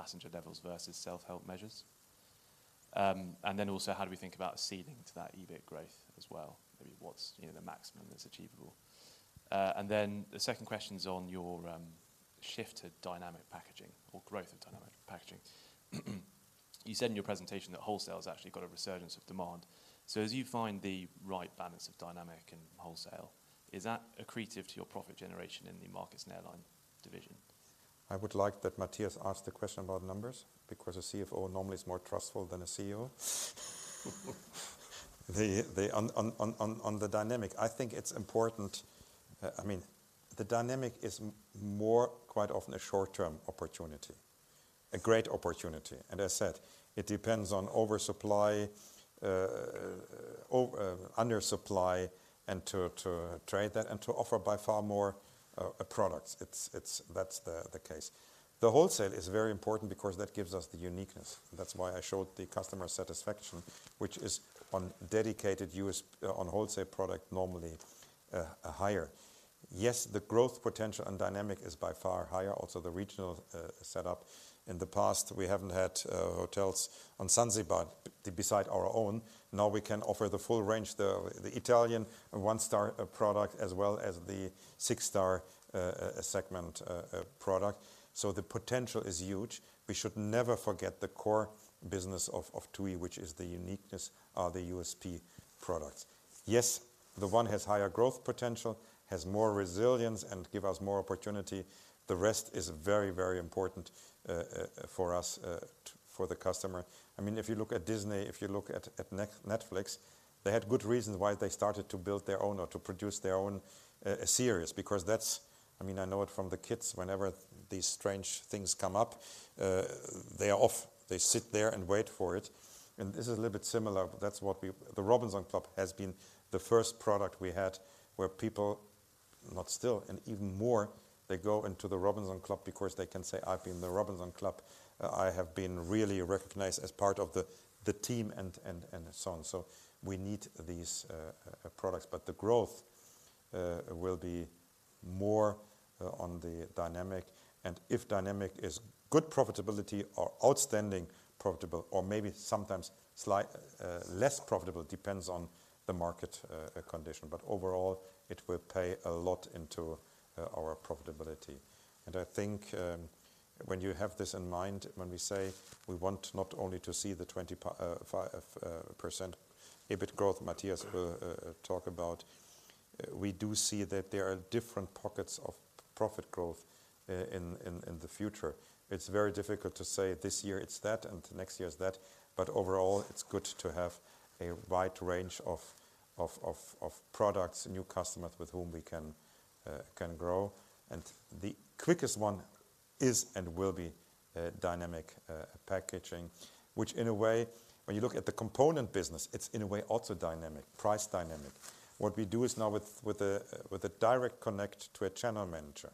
pre-COVID passenger levels versus self-help measures? And then also, how do we think about a ceiling to that EBIT growth as well? Maybe what's, you know, the maximum that's achievable. And then the second question is on your shift to dynamic packaging or growth of dynamic packaging. You said in your presentation that wholesale has actually got a resurgence of demand. So as you find the right balance of dynamic and wholesale, is that accretive to your profit generation in the markets and airline division? I would like that Mathias ask the question about numbers, because a CFO normally is more trustful than a CEO. The dynamic, I think it's important, I mean, the dynamic is more quite often a short-term opportunity, a great opportunity. And as said, it depends on oversupply, undersupply and to trade that and to offer by far more products. That's the case. The wholesale is very important because that gives us the uniqueness. That's why I showed the customer satisfaction, which is on dedicated wholesale, on wholesale product, normally higher. Yes, the growth potential and dynamic is by far higher, also the regional setup. In the past, we haven't had hotels on Zanzibar beside our own. Now we can offer the full range, the Italian one-star product, as well as the six-star segment product. So the potential is huge. We should never forget the core business of TUI, which is the uniqueness of the USP products. Yes, the one has higher growth potential, has more resilience, and give us more opportunity. The rest is very, very important for us, for the customer. I mean, if you look at Disney, if you look at Netflix, they had good reasons why they started to build their own or to produce their own series. Because that's—I mean, I know it from the kids, whenever these strange things come up, they are off. They sit there and wait for it. And this is a little bit similar, but that's what we, the Robinson Club has been the first product we had, where people, not still and even more, they go into the Robinson Club because they can say, "I've been in the Robinson Club. I have been really recognized as part of the team," and, and, and so on. So we need these products, but the growth will be more on the dynamic, and if dynamic is good profitability or outstanding profitable or maybe sometimes slight less profitable, depends on the market condition. But overall, it will pay a lot into our profitability. I think, when you have this in mind, when we say we want not only to see the 25% EBIT growth, Mathias will talk about, we do see that there are different pockets of profit growth in the future. It's very difficult to say this year it's that, and next year it's that, but overall, it's good to have a wide range of products, new customers with whom we can grow. And the quickest one is and will be dynamic packaging, which in a way, when you look at the component business, it's in a way also dynamic, price dynamic. What we do is now with a Direct Connect to a Channel Manager,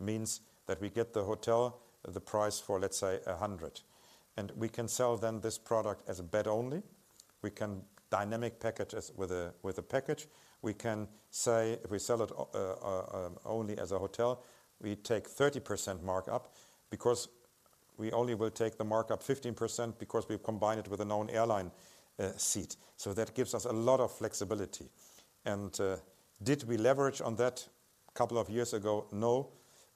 means that we get the hotel, the price for, let's say, 100, and we can sell then this product as a bed only. We can dynamic package as with a package. We can say if we sell it only as a hotel, we take 30% markup because we only will take the markup 15% because we combine it with a known airline seat. So that gives us a lot of flexibility. And did we leverage on that couple of years ago? No.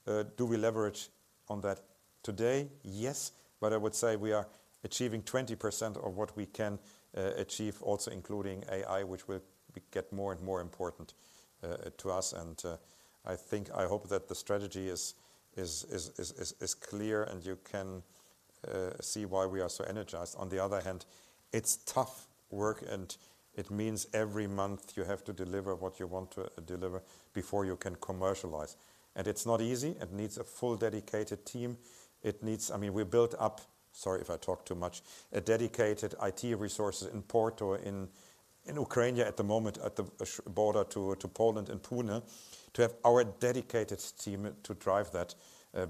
Do we leverage on that today? Yes, but I would say we are achieving 20% of what we can achieve, also including AI, which will be get more and more important to us. I think, I hope that the strategy is clear, and you can see why we are so energized. On the other hand, it's tough work, and it means every month you have to deliver what you want to deliver before you can commercialize. And it's not easy. It needs a full dedicated team. It needs, I mean, we built up, sorry, if I talk too much, a dedicated IT resources in Porto, in Ukraine, yeah, at the moment, at the shared border to Poland in Poland, to have our dedicated team to drive that,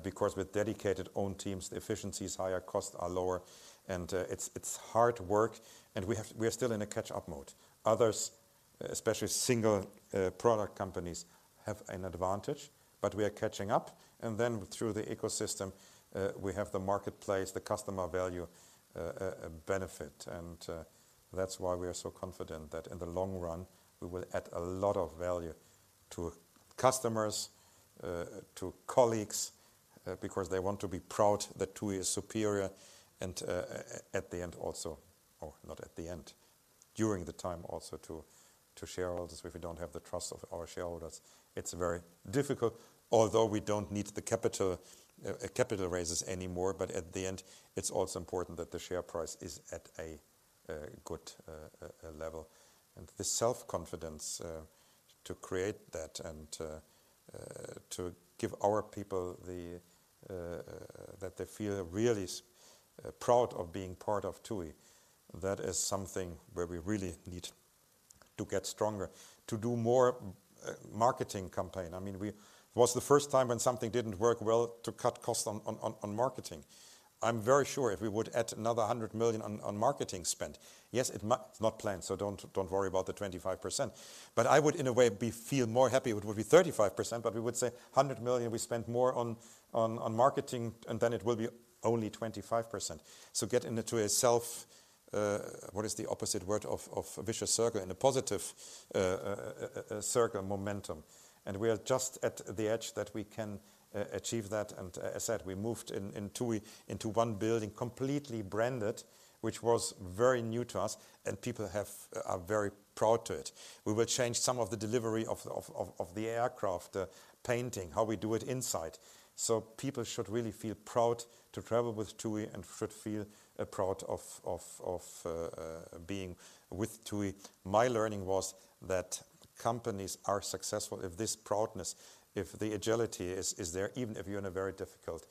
because with dedicated own teams, the efficiency is higher, costs are lower, and it's hard work, and we have- we are still in a catch-up mode. Others, especially single product companies, have an advantage, but we are catching up, and then through the ecosystem, we have the marketplace, the customer value benefit. And that's why we are so confident that in the long run we will add a lot of value to customers, to colleagues, because they want to be proud that TUI is superior and at the end also-- or not at the end, during the time also to shareholders. If we don't have the trust of our shareholders, it's very difficult. Although we don't need the capital raises anymore, but at the end, it's also important that the share price is at a good level. And the self-confidence to create that and to give our people the, that they feel really proud of being part of TUI, that is something where we really need to get stronger, to do more, marketing campaign. I mean, it was the first time when something didn't work well, to cut costs on marketing. I'm very sure if we would add another 100 million on marketing spend, yes, it not planned, so don't worry about the 25%. But I would, in a way, feel more happy. It would be 35%, but we would say 100 million we spent more on marketing, and then it will be only 25%. So get in the TUI self, what is the opposite word of vicious circle? In a positive circle momentum. And we are just at the edge that we can achieve that. As said, we moved in TUI into one building, completely branded, which was very new to us, and people are very proud to it. We will change some of the delivery of the aircraft, the painting, how we do it inside. So people should really feel proud to travel with TUI and should feel proud of being with TUI. My learning was that companies are successful if this proudness, if the agility is there, even if you're in a very difficult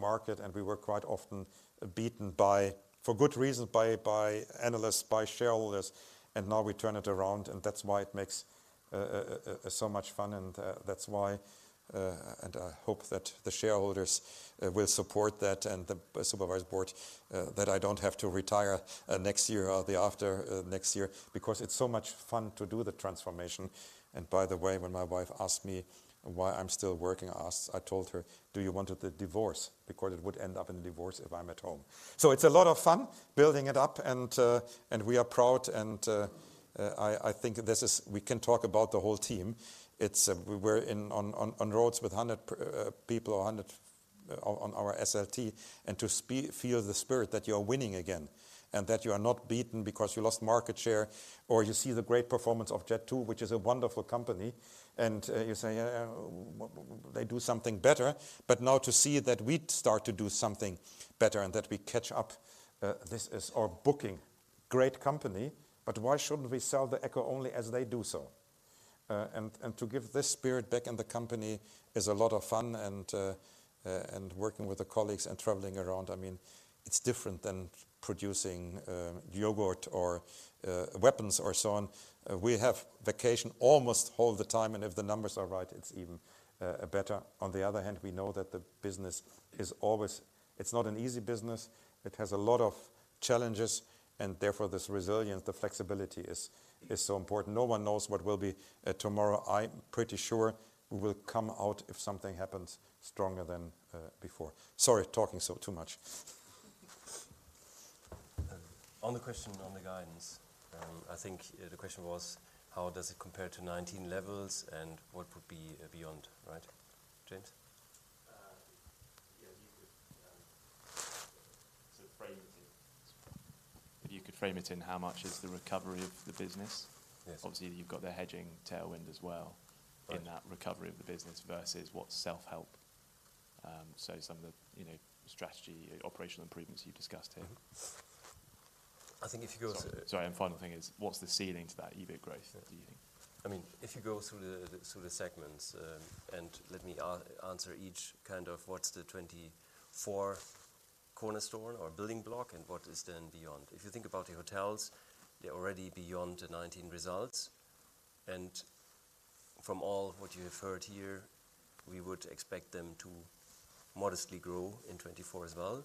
market. We were quite often beaten by, for good reason, by analysts, by shareholders, and now we turn it around, and that's why it makes so much fun. That's why I hope that the shareholders will support that and the supervisory board, that I don't have to retire next year or the year after next year, because it's so much fun to do the transformation. By the way, when my wife asked me why I'm still working, I asked, I told her: "Do you want the divorce?" Because it would end up in a divorce if I'm at home. So it's a lot of fun building it up, and we are proud, and I think this is - we can talk about the whole team. It's we were on roads with 100 people or 100 on our SLT, and to feel the spirit that you are winning again and that you are not beaten because you lost market share, or you see the great performance of Jet2, which is a wonderful company, and you say, "Yeah, they do something better." But now to see that we start to do something better and that we catch up, this is or Booking, great company, but why shouldn't we sell accommodation only as they do so? And to give this spirit back in the company is a lot of fun, and working with the colleagues and traveling around, I mean, it's different than producing yogurt or weapons or so on. We have vacation almost all the time, and if the numbers are right, it's even better. On the other hand, we know that the business is always, it's not an easy business. It has a lot of challenges, and therefore, this resilience, the flexibility is so important. No one knows what will be tomorrow. I'm pretty sure we will come out if something happens stronger than before. Sorry, talking so too much. On the question, on the guidance, I think the question was: How does it compare to 2019 levels, and what would be beyond? Right, James? Yeah. If you could frame it in how much is the recovery of the business. Yes. Obviously, you've got the hedging tailwind as well- Right -in that recovery of the business versus what's self-help. So some of the, you know, strategy, operational improvements you've discussed here. Mm-hmm. I think if you go to- Sorry, sorry, and final thing is, what's the ceiling to that EBIT growth, do you think? I mean, if you go through the segments, and let me answer each kind of what's the 2024 cornerstone or building block and what is then beyond. If you think about the hotels, they're already beyond the 2019 results, and from all what you have heard here, we would expect them to modestly grow in 2024 as well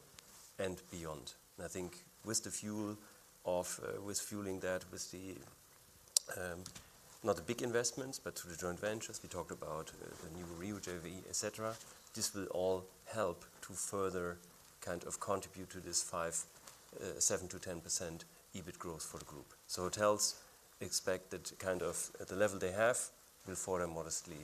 and beyond. I think with the fuel of, with fueling that, with the, not the big investments, but the joint ventures we talked about, the new RIU JV, etc., this will all help to further kind of contribute to this 7%-10% EBIT growth for the group. So hotels expect that kind of at the level they have will further modestly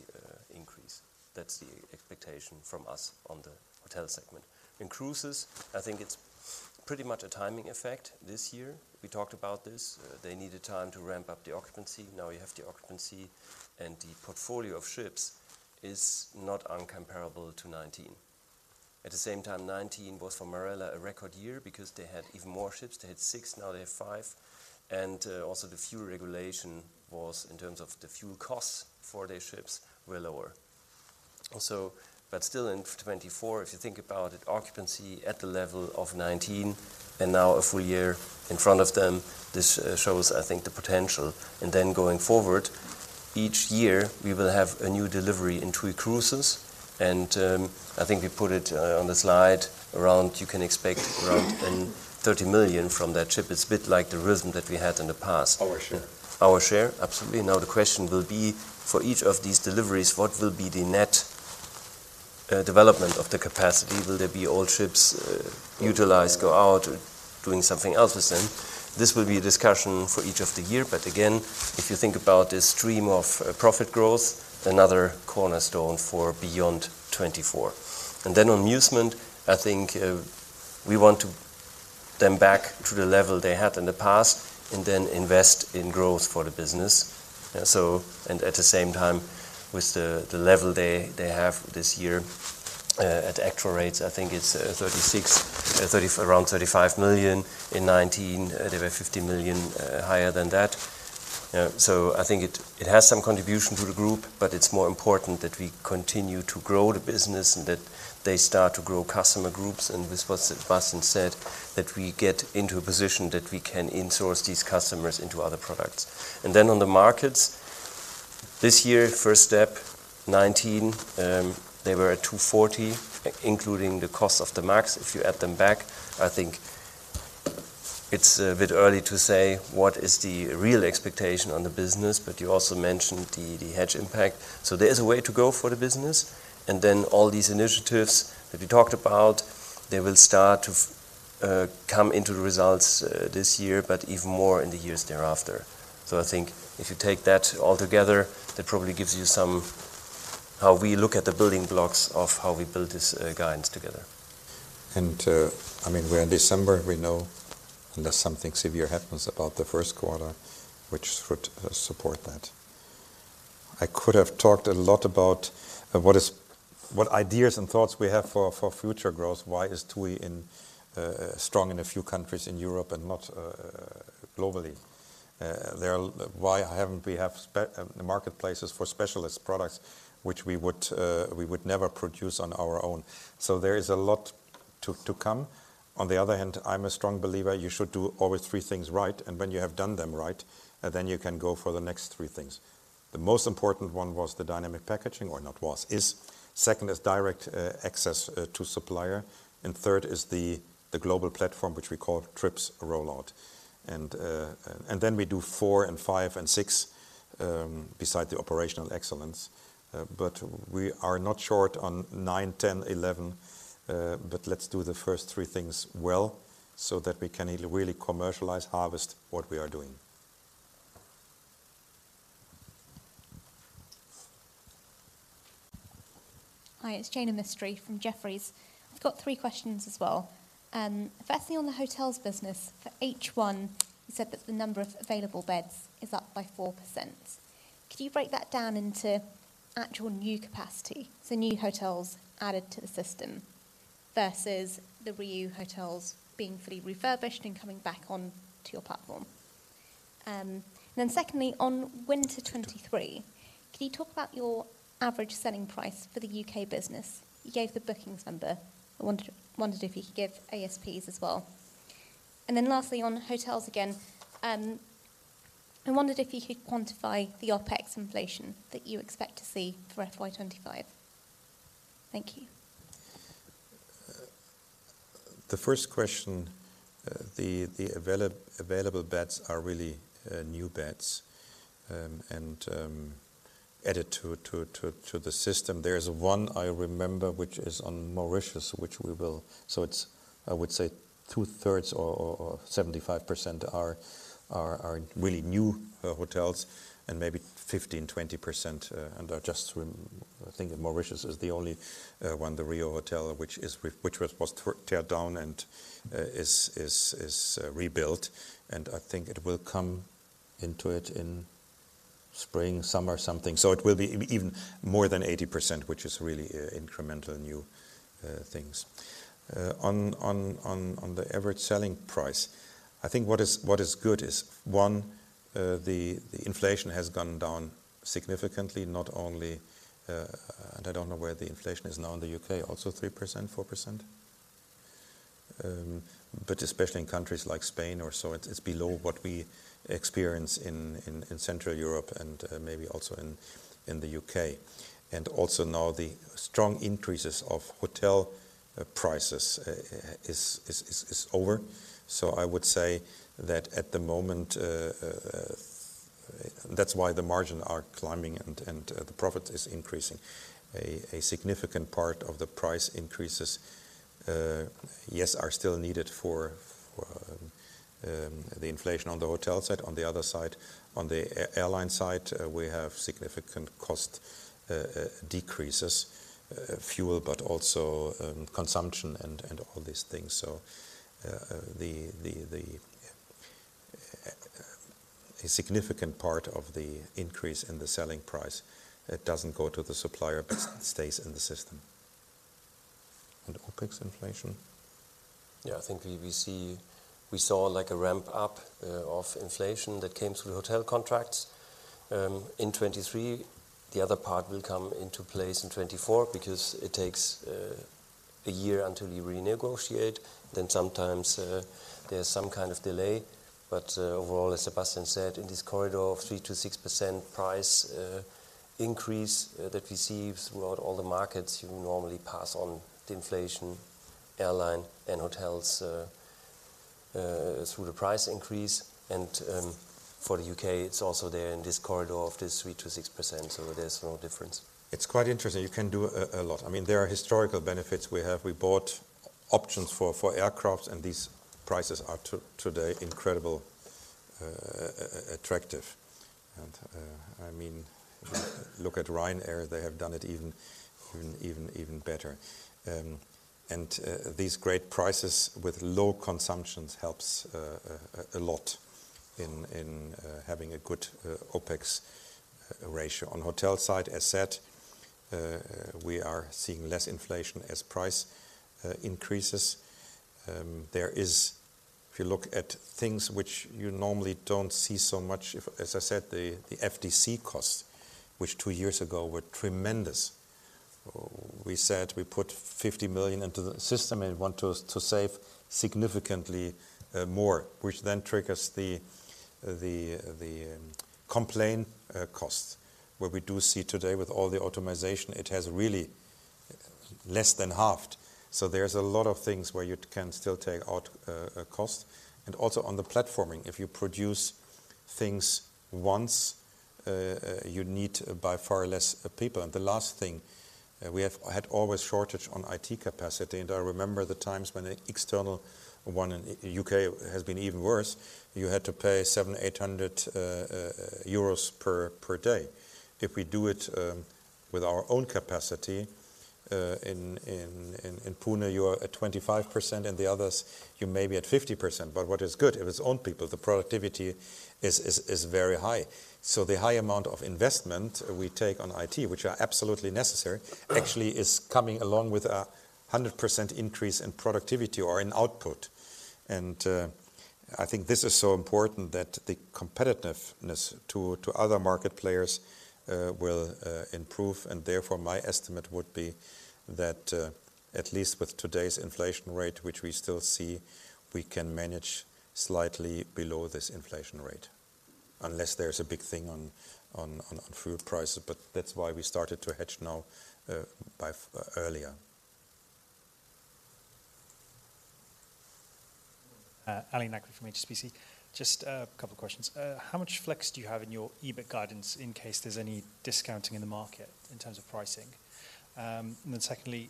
increase. That's the expectation from us on the hotel segment. In cruises, I think it's pretty much a timing effect this year. We talked about this. They needed time to ramp up the occupancy. Now you have the occupancy, and the portfolio of ships is not uncomparable to 2019. At the same time, 2019 was for Marella a record year because they had even more ships. They had 6, now they have 5, and also the fuel regulation was, in terms of the fuel costs for their ships, were lower. So, but still in 2024, if you think about it, occupancy at the level of 2019 and now a full year in front of them, this shows, I think, the potential. And then going forward, each year we will have a new delivery in TUI Cruises, and I think we put it on the slide, around you can expect around 30 million from that ship. It's a bit like the rhythm that we had in the past. Our share. Our share, absolutely. Now, the question will be, for each of these deliveries, what will be the net development of the capacity? Will there be all ships utilized, go out or doing something else with them? This will be a discussion for each of the year. But again, if you think about the stream of profit growth, another cornerstone for beyond 2024. And then on Musement, I think we want to get them back to the level they had in the past and then invest in growth for the business. So, and at the same time, with the level they have this year at actual rates, I think it's around 35 million. In 2019, they were 50 million higher than that. I think it has some contribution to the group, but it's more important that we continue to grow the business and that they start to grow customer groups. This was, as Carsten said, that we get into a position that we can insource these customers into other products. Then on the markets, this year, first step, 19, they were at 240, including the cost of the MAX. If you add them back, I think it's a bit early to say what is the real expectation on the business, but you also mentioned the hedge impact. There is a way to go for the business. Then all these initiatives that we talked about, they will start to come into the results this year, but even more in the years thereafter. So I think if you take that all together, that probably gives you some, how we look at the building blocks of how we built this guidance together. I mean, we're in December, we know, unless something severe happens about the first quarter, which would support that. I could have talked a lot about what ideas and thoughts we have for future growth. Why is TUI strong in a few countries in Europe and not globally? Why haven't we have the marketplaces for specialist products which we would, we would never produce on our own? So there is a lot to come. On the other hand, I'm a strong believer you should do always three things right, and when you have done them right, then you can go for the next three things. The most important one was the dynamic packaging, or not was, is. Second is direct access to supplier, and third is the global platform, which we call Trips Rollout. And then we do four and five and six beside the operational excellence. But we are not short on nine, ten, eleven, but let's do the first three things well so that we can really commercialize, harvest what we are doing. Hi, it's Jaina Mistry from Jefferies. I've got three questions as well. Firstly, on the hotels business, for H1, you said that the number of available beds is up by 4%. Could you break that down into actual new capacity, so new hotels added to the system, versus the RIU Hotels being fully refurbished and coming back on to your platform? Then secondly, on winter 2023, could you talk about your average selling price for the UK business? You gave the bookings number. I wondered if you could give ASPs as well. And then lastly, on hotels again, I wondered if you could quantify the OpEx inflation that you expect to see for FY 2025. Thank you. The first question, available beds are really new beds and added to the system. There's one I remember, which is on Mauritius. So it's, I would say two-thirds or 75% are really new hotels and maybe 15, 20% and are just remodeled. I think Mauritius is the only one, the RIU Hotel, which was torn down and is rebuilt. And I think it will come into it in spring, summer, something. So it will be even more than 80%, which is really incremental new things. On the average selling price, I think what is good is, one, the inflation has gone down significantly, not only. And I don't know where the inflation is now in the UK, also 3%, 4%? But especially in countries like Spain or so, it's below what we experience in Central Europe and maybe also in the UK. And also now the strong increases of hotel prices is over. So I would say that at the moment, that's why the margin are climbing and the profit is increasing. A significant part of the price increases, yes, are still needed for the inflation on the hotel side. On the other side, on the airline side, we have significant cost decreases, fuel, but also consumption and all these things. So, a significant part of the increase in the selling price doesn't go to the supplier, but stays in the system and OpEx inflation? Yeah, I think we see—we saw like a ramp up of inflation that came through the hotel contracts in 2023. The other part will come into place in 2024, because it takes a year until you renegotiate, then sometimes there's some kind of delay. But overall, as Sebastian said, in this corridor of 3%-6% price increase that we see throughout all the markets, you normally pass on the inflation, airline and hotels through the price increase. And for the UK, it's also there in this corridor of this 3%-6%, so there's no difference. It's quite interesting. You can do a lot. I mean, there are historical benefits we have. We bought options for aircraft, and these prices are today incredible attractive. And I mean, look at Ryanair, they have done it even better. And these great prices with low consumptions helps a lot in having a good OpEx ratio. On hotel side, as said, we are seeing less inflation as price increases. There is. If you look at things which you normally don't see so much, as I said, the FDC cost, which two years ago were tremendous. We said we put 50 million into the system and want to save significantly more, which then triggers the claim cost. What we do see today with all the automation, it has really less than halved. So there's a lot of things where you can still take out cost. And also on the platforming, if you produce things once, you need by far less people. And the last thing, we have had always shortage on IT capacity, and I remember the times when an external one in UK has been even worse. You had to pay 700-800 euros per day. If we do it with our own capacity in Pune, you are at 25%, and the others, you may be at 50%. But what is good, if it's own people, the productivity is very high. So the high amount of investment we take on IT, which are absolutely necessary, actually is coming along with a 100% increase in productivity or in output. And I think this is so important that the competitiveness to other market players will improve. And therefore, my estimate would be that at least with today's inflation rate, which we still see, we can manage slightly below this inflation rate. Unless there's a big thing on food prices, but that's why we started to hedge now by earlier. Ali Naqvi from HSBC. Just a couple of questions. How much flex do you have in your EBIT guidance in case there's any discounting in the market in terms of pricing? And then secondly,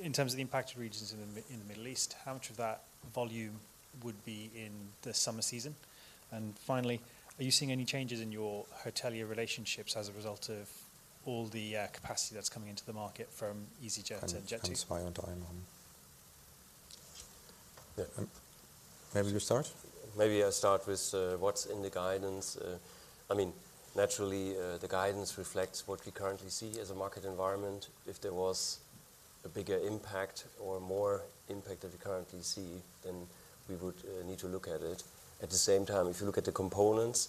in terms of the impacted regions in the, in the Middle East, how much of that volume would be in the summer season? And finally, are you seeing any changes in your hotelier relationships as a result of all the capacity that's coming into the market from easyJet and Jet2? Can Sebastian or Mathias answer? Yeah. Maybe you start? Maybe I start with what's in the guidance. I mean, naturally, the guidance reflects what we currently see as a market environment. If there was a bigger impact or more impact than we currently see, then we would need to look at it. At the same time, if you look at the components,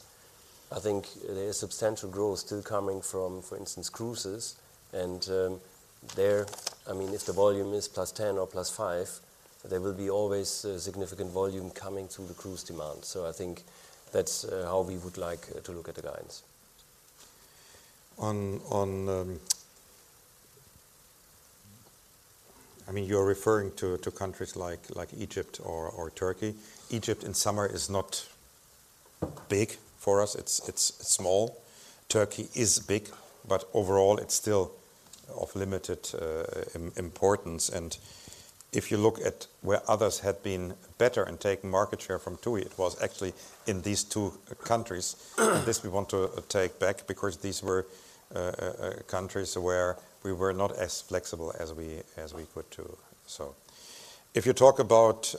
I think there is substantial growth still coming from, for instance, cruises. And, there, I mean, if the volume is +10 or +5, there will be always a significant volume coming through the cruise demand. So I think that's how we would like to look at the guidance. I mean, you're referring to countries like Egypt or Turkey. Egypt in summer is not big for us. It's small. Turkey is big, but overall, it's still of limited importance. And if you look at where others had been better in taking market share from TUI, it was actually in these two countries. This we want to take back because these were countries where we were not as flexible as we could to. So if you talk about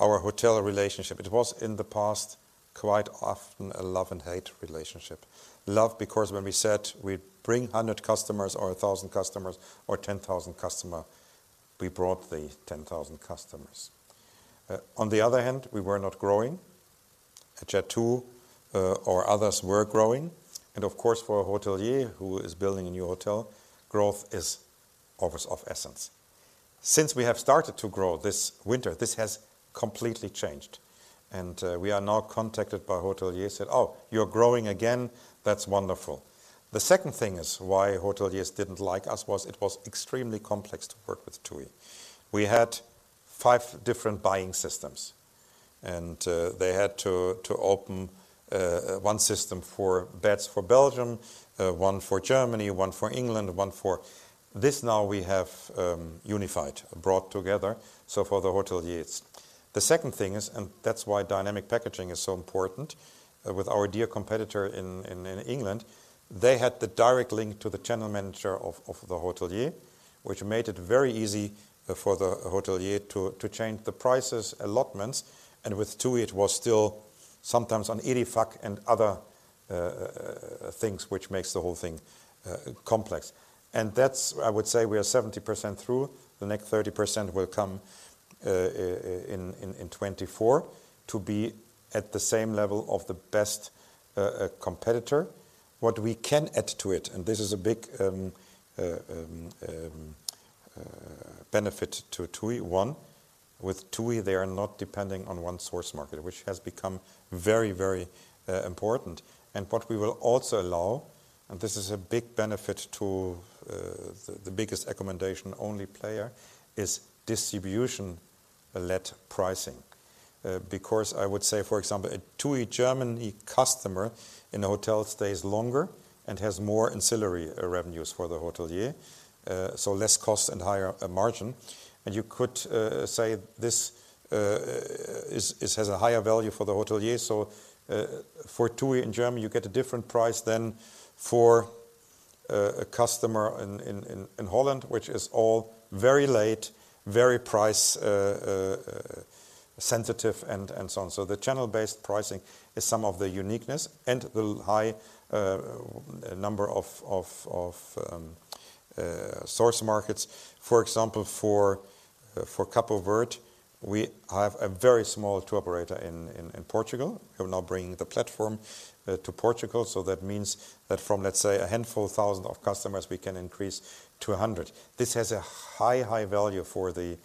our hotel relationship, it was in the past, quite often a love and hate relationship. Love, because when we said we'd bring 100 customers or 1,000 customers or 10,000 customer, we brought the 10,000 customers. On the other hand, we were not growing. Jet2 or others were growing. And of course, for a hotelier who is building a new hotel, growth is always of essence. Since we have started to grow this winter, this has completely changed, and we are now contacted by hoteliers, said: "Oh, you're growing again? That's wonderful." The second thing is why hoteliers didn't like us was it was extremely complex to work with TUI. We had five different buying systems, and they had to, to open, one system for beds for Belgium, one for Germany, one for England, one for. This now we have, unified, brought together, so for the hoteliers. The second thing is, and that's why Dynamic Packaging is so important, with our dear competitor in England, they had the direct link to the Channel Manager of the hotelier, which made it very easy for the hotelier to change the prices, allotments, and with TUI, it was still sometimes on EDIFACT and other things which makes the whole thing complex. And that's, I would say, we are 70% through. The next 30% will come in 2024 to be at the same level of the best competitor. What we can add to it, and this is a big benefit to TUI. One, with TUI, they are not depending on one source market, which has become very, very important. What we will also allow, and this is a big benefit to the biggest accommodation-only player, is distribution-led pricing. Because I would say, for example, a TUI Germany customer in a hotel stays longer and has more ancillary revenues for the hotelier, so less cost and higher margin. And you could say this has a higher value for the hotelier. So for TUI in Germany, you get a different price than for a customer in Holland, which is all very late, very price sensitive, and so on. So the channel-based pricing is some of the uniqueness and the high number of source markets. For example, for Cape Verde, we have a very small tour operator in Portugal. We're now bringing the platform to Portugal, so that means that from, let's say, a handful thousand of customers, we can increase to 100. This has a high, high value for the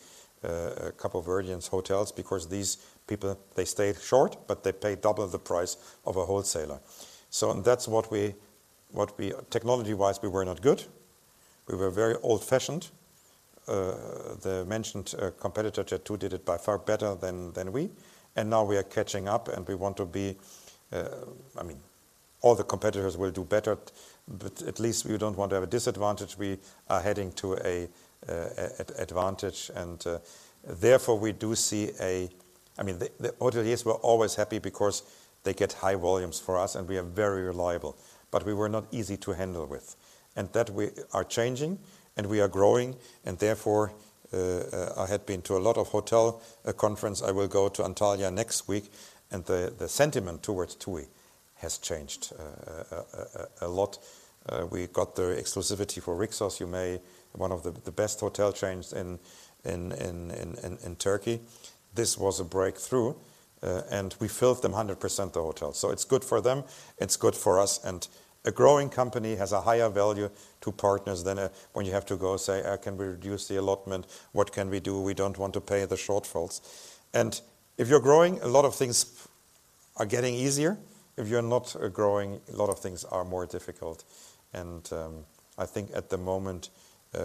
Cape Verdean hotels because these people, they stay short, but they pay double the price of a wholesaler. So and that's what we, Technology-wise, we were not good. We were very old-fashioned. The mentioned competitor, Jet2, did it by far better than we, and now we are catching up, and we want to be. I mean, all the competitors will do better, but at least we don't want to have a disadvantage. We are heading to an advantage, and therefore, we do see a—I mean, the hoteliers were always happy because they get high volumes from us, and we are very reliable, but we were not easy to handle with. And that we are changing, and we are growing, and therefore, I had been to a lot of hotel conferences. I will go to Antalya next week, and the sentiment towards TUI has changed a lot. We got the exclusivity for Rixos, you may. One of the best hotel chains in Turkey. This was a breakthrough, and we filled them 100%, the hotel. So it's good for them, it's good for us, and a growing company has a higher value to partners than, when you have to go say, "Can we reduce the allotment? What can we do? We don't want to pay the shortfalls." And if you're growing, a lot of things are getting easier. If you're not growing, a lot of things are more difficult. And, I think at the moment,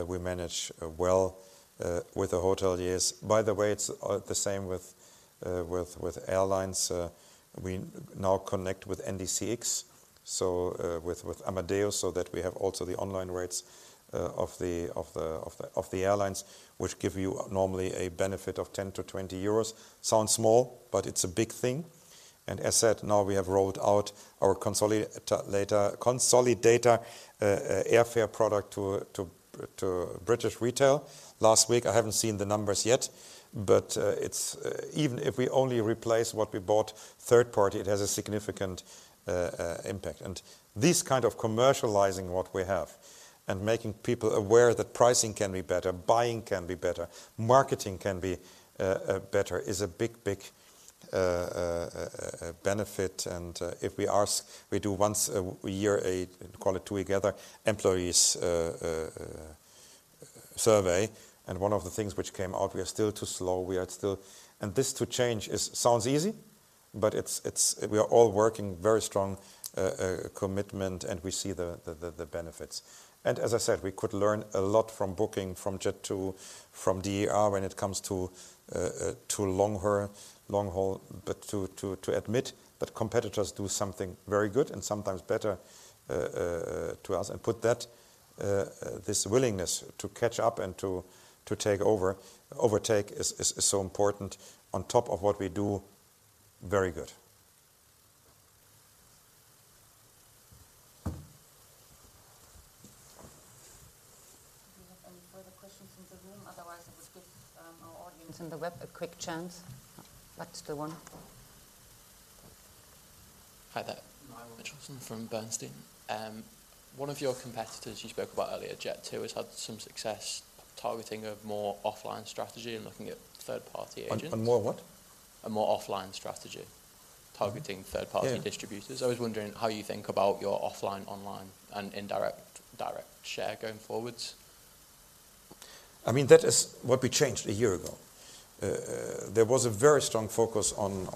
we manage, well, with the hoteliers. By the way, it's, the same with, with airlines. We now connect with NDC-X, so, with Amadeus, so that we have also the online rates, of the airlines, which give you normally a benefit of 10-20 euros. Sounds small, but it's a big thing. As said, now we have rolled out our consolidated airfare product to British retail last week. I haven't seen the numbers yet, but it's, even if we only replace what we bought third party, it has a significant impact. And this kind of commercializing what we have and making people aware that pricing can be better, buying can be better, marketing can be better, is a big, big benefit. And if we ask, we do once a year a, call it TUI Together, employees' survey, and one of the things which came out, we are still too slow, we are still-- And this to change is sounds easy, but it's, it's-- we are all working very strong commitment, and we see the benefits. As I said, we could learn a lot from Booking, from Jet2, from DER, when it comes to long haul, but to admit that competitors do something very good and sometimes better to us, and put that this willingness to catch up and to overtake is so important on top of what we do very good. Do you have any further questions in the room? Otherwise, I would give our audience on the web a quick chance. That's the one. Hi there. Hi. Richard Clarke from Bernstein. One of your competitors you spoke about earlier, Jet2, has had some success targeting a more offline strategy and looking at third-party agents. A more what? A more offline strategy, targeting third-party- Yeah -distributors. I was wondering how you think about your offline, online, and indirect, direct share going forwards? I mean, that is what we changed a year ago. There was a very strong focus on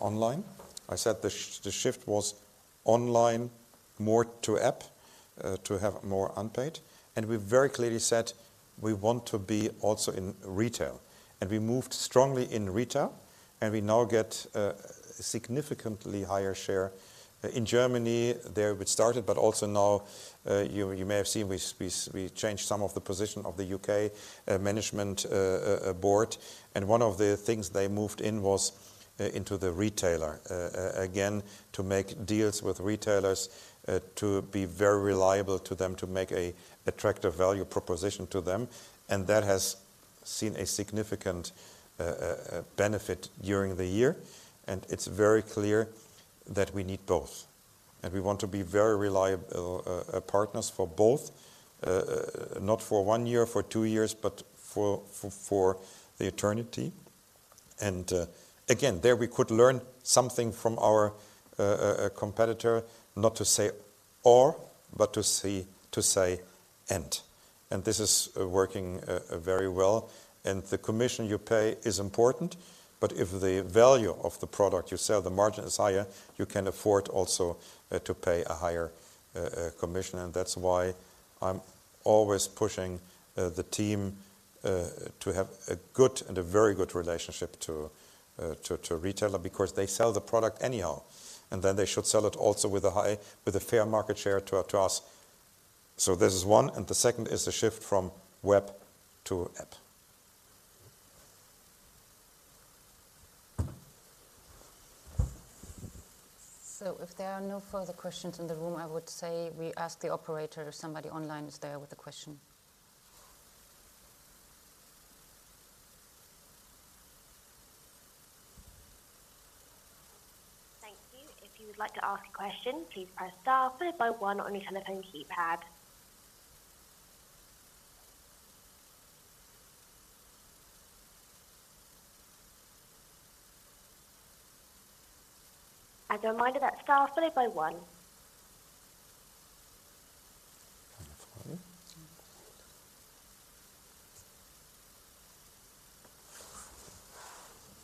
online. I said the shift was online, more to app, to have more unpaid, and we very clearly said we want to be also in retail. And we moved strongly in retail, and we now get significantly higher share. In Germany, there we started, but also now, you may have seen, we changed some of the position of the U.K. Management board. And one of the things they moved in was into the retailer. Again, to make deals with retailers, to be very reliable to them, to make a attractive value proposition to them. And that has, we've seen a significant benefit during the year, and it's very clear that we need both. And we want to be very reliable partners for both, not for one year, for two years, but for the eternity. And again, there we could learn something from our competitor, not to say or, but to say, to say and. And this is working very well, and the commission you pay is important, but if the value of the product you sell, the margin is higher, you can afford also to pay a higher commission. That's why I'm always pushing the team to have a good and a very good relationship to retailer because they sell the product anyhow, and then they should sell it also with a high, with a fair market share to us. So this is one, and the second is the shift from web to app. If there are no further questions in the room, I would say we ask the operator if somebody online is there with a question. Thank you. If you would like to ask a question, please press star followed by one on your telephone keypad. As a reminder, that's star followed by one.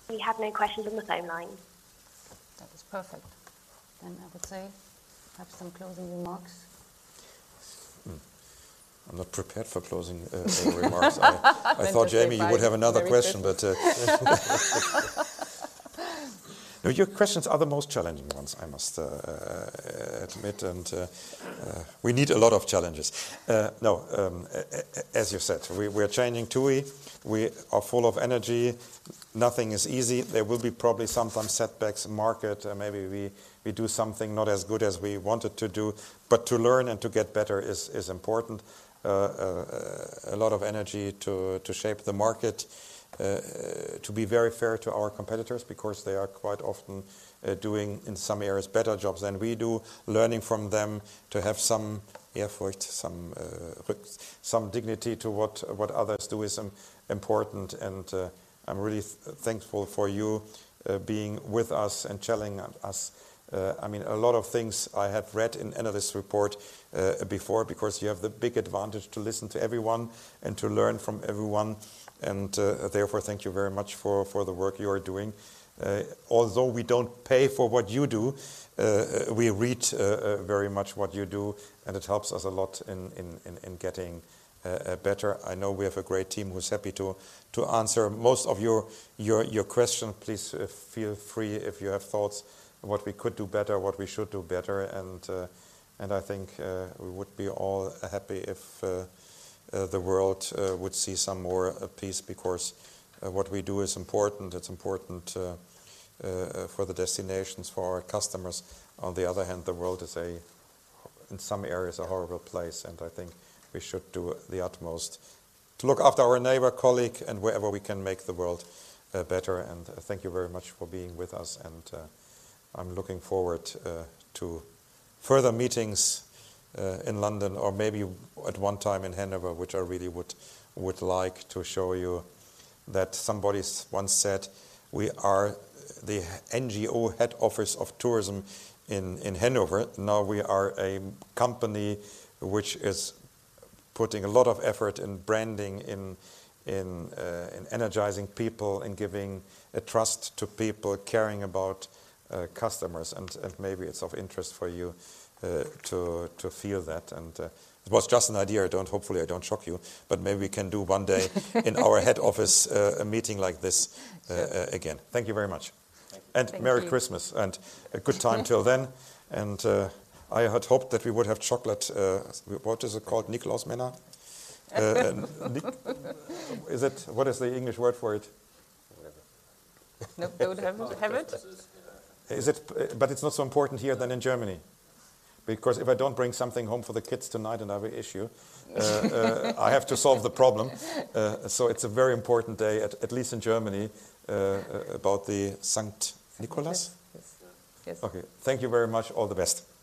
We have no questions on the phone line. That is perfect. Then I would say, have some closing remarks. I'm not prepared for closing any remarks. I thought, Jamie, you would have another question, but No, your questions are the most challenging ones, I must admit, and we need a lot of challenges. Now, as you said, we're changing TUI. We are full of energy. Nothing is easy. There will be probably sometimes setbacks in market, and maybe we do something not as good as we wanted to do, but to learn and to get better is important. A lot of energy to shape the market, to be very fair to our competitors because they are quite often doing in some areas better jobs than we do. Learning from them, to have some effort, some, some dignity to what, what others do is important, and, I'm really thankful for you being with us and challenging us. I mean, a lot of things I have read in analyst report before, because you have the big advantage to listen to everyone and to learn from everyone, and, therefore, thank you very much for the work you are doing. Although we don't pay for what you do, we read very much what you do, and it helps us a lot in getting better. I know we have a great team who's happy to answer most of your question. Please, feel free if you have thoughts on what we could do better, what we should do better, and, and I think, we would be all happy if, the world, would see some more, peace, because, what we do is important. It's important, for the destinations, for our customers. On the other hand, the world is a, in some areas, a horrible place, and I think we should do the utmost to look after our neighbor, colleague, and wherever we can make the world, better. And thank you very much for being with us, and, I'm looking forward, to further meetings, in London or maybe at one time in Hanover, which I really would, would like to show you that somebody once said: We are the NGO head office of tourism in, in Hanover. Now we are a company which is putting a lot of effort in branding, in energizing people and giving a trust to people, caring about customers. And maybe it's of interest for you to feel that. And it was just an idea. I don't. Hopefully, I don't shock you, but maybe we can do one day in our head office a meeting like this again. Sure. Thank you very much. Thank you. And merry Christmas, and a good time till then. And, I had hoped that we would have chocolate, what is it called? Nikolaus-Männer. Nick— Is it, what is the English word for it? Whatever. No, we don't have it? Yeah. But it's not so important here than in Germany, because if I don't bring something home for the kids tonight, another issue, I have to solve the problem. So it's a very important day, at least in Germany, about the Sankt Nikolaus? Yes. Yes. Okay. Thank you very much. All the best.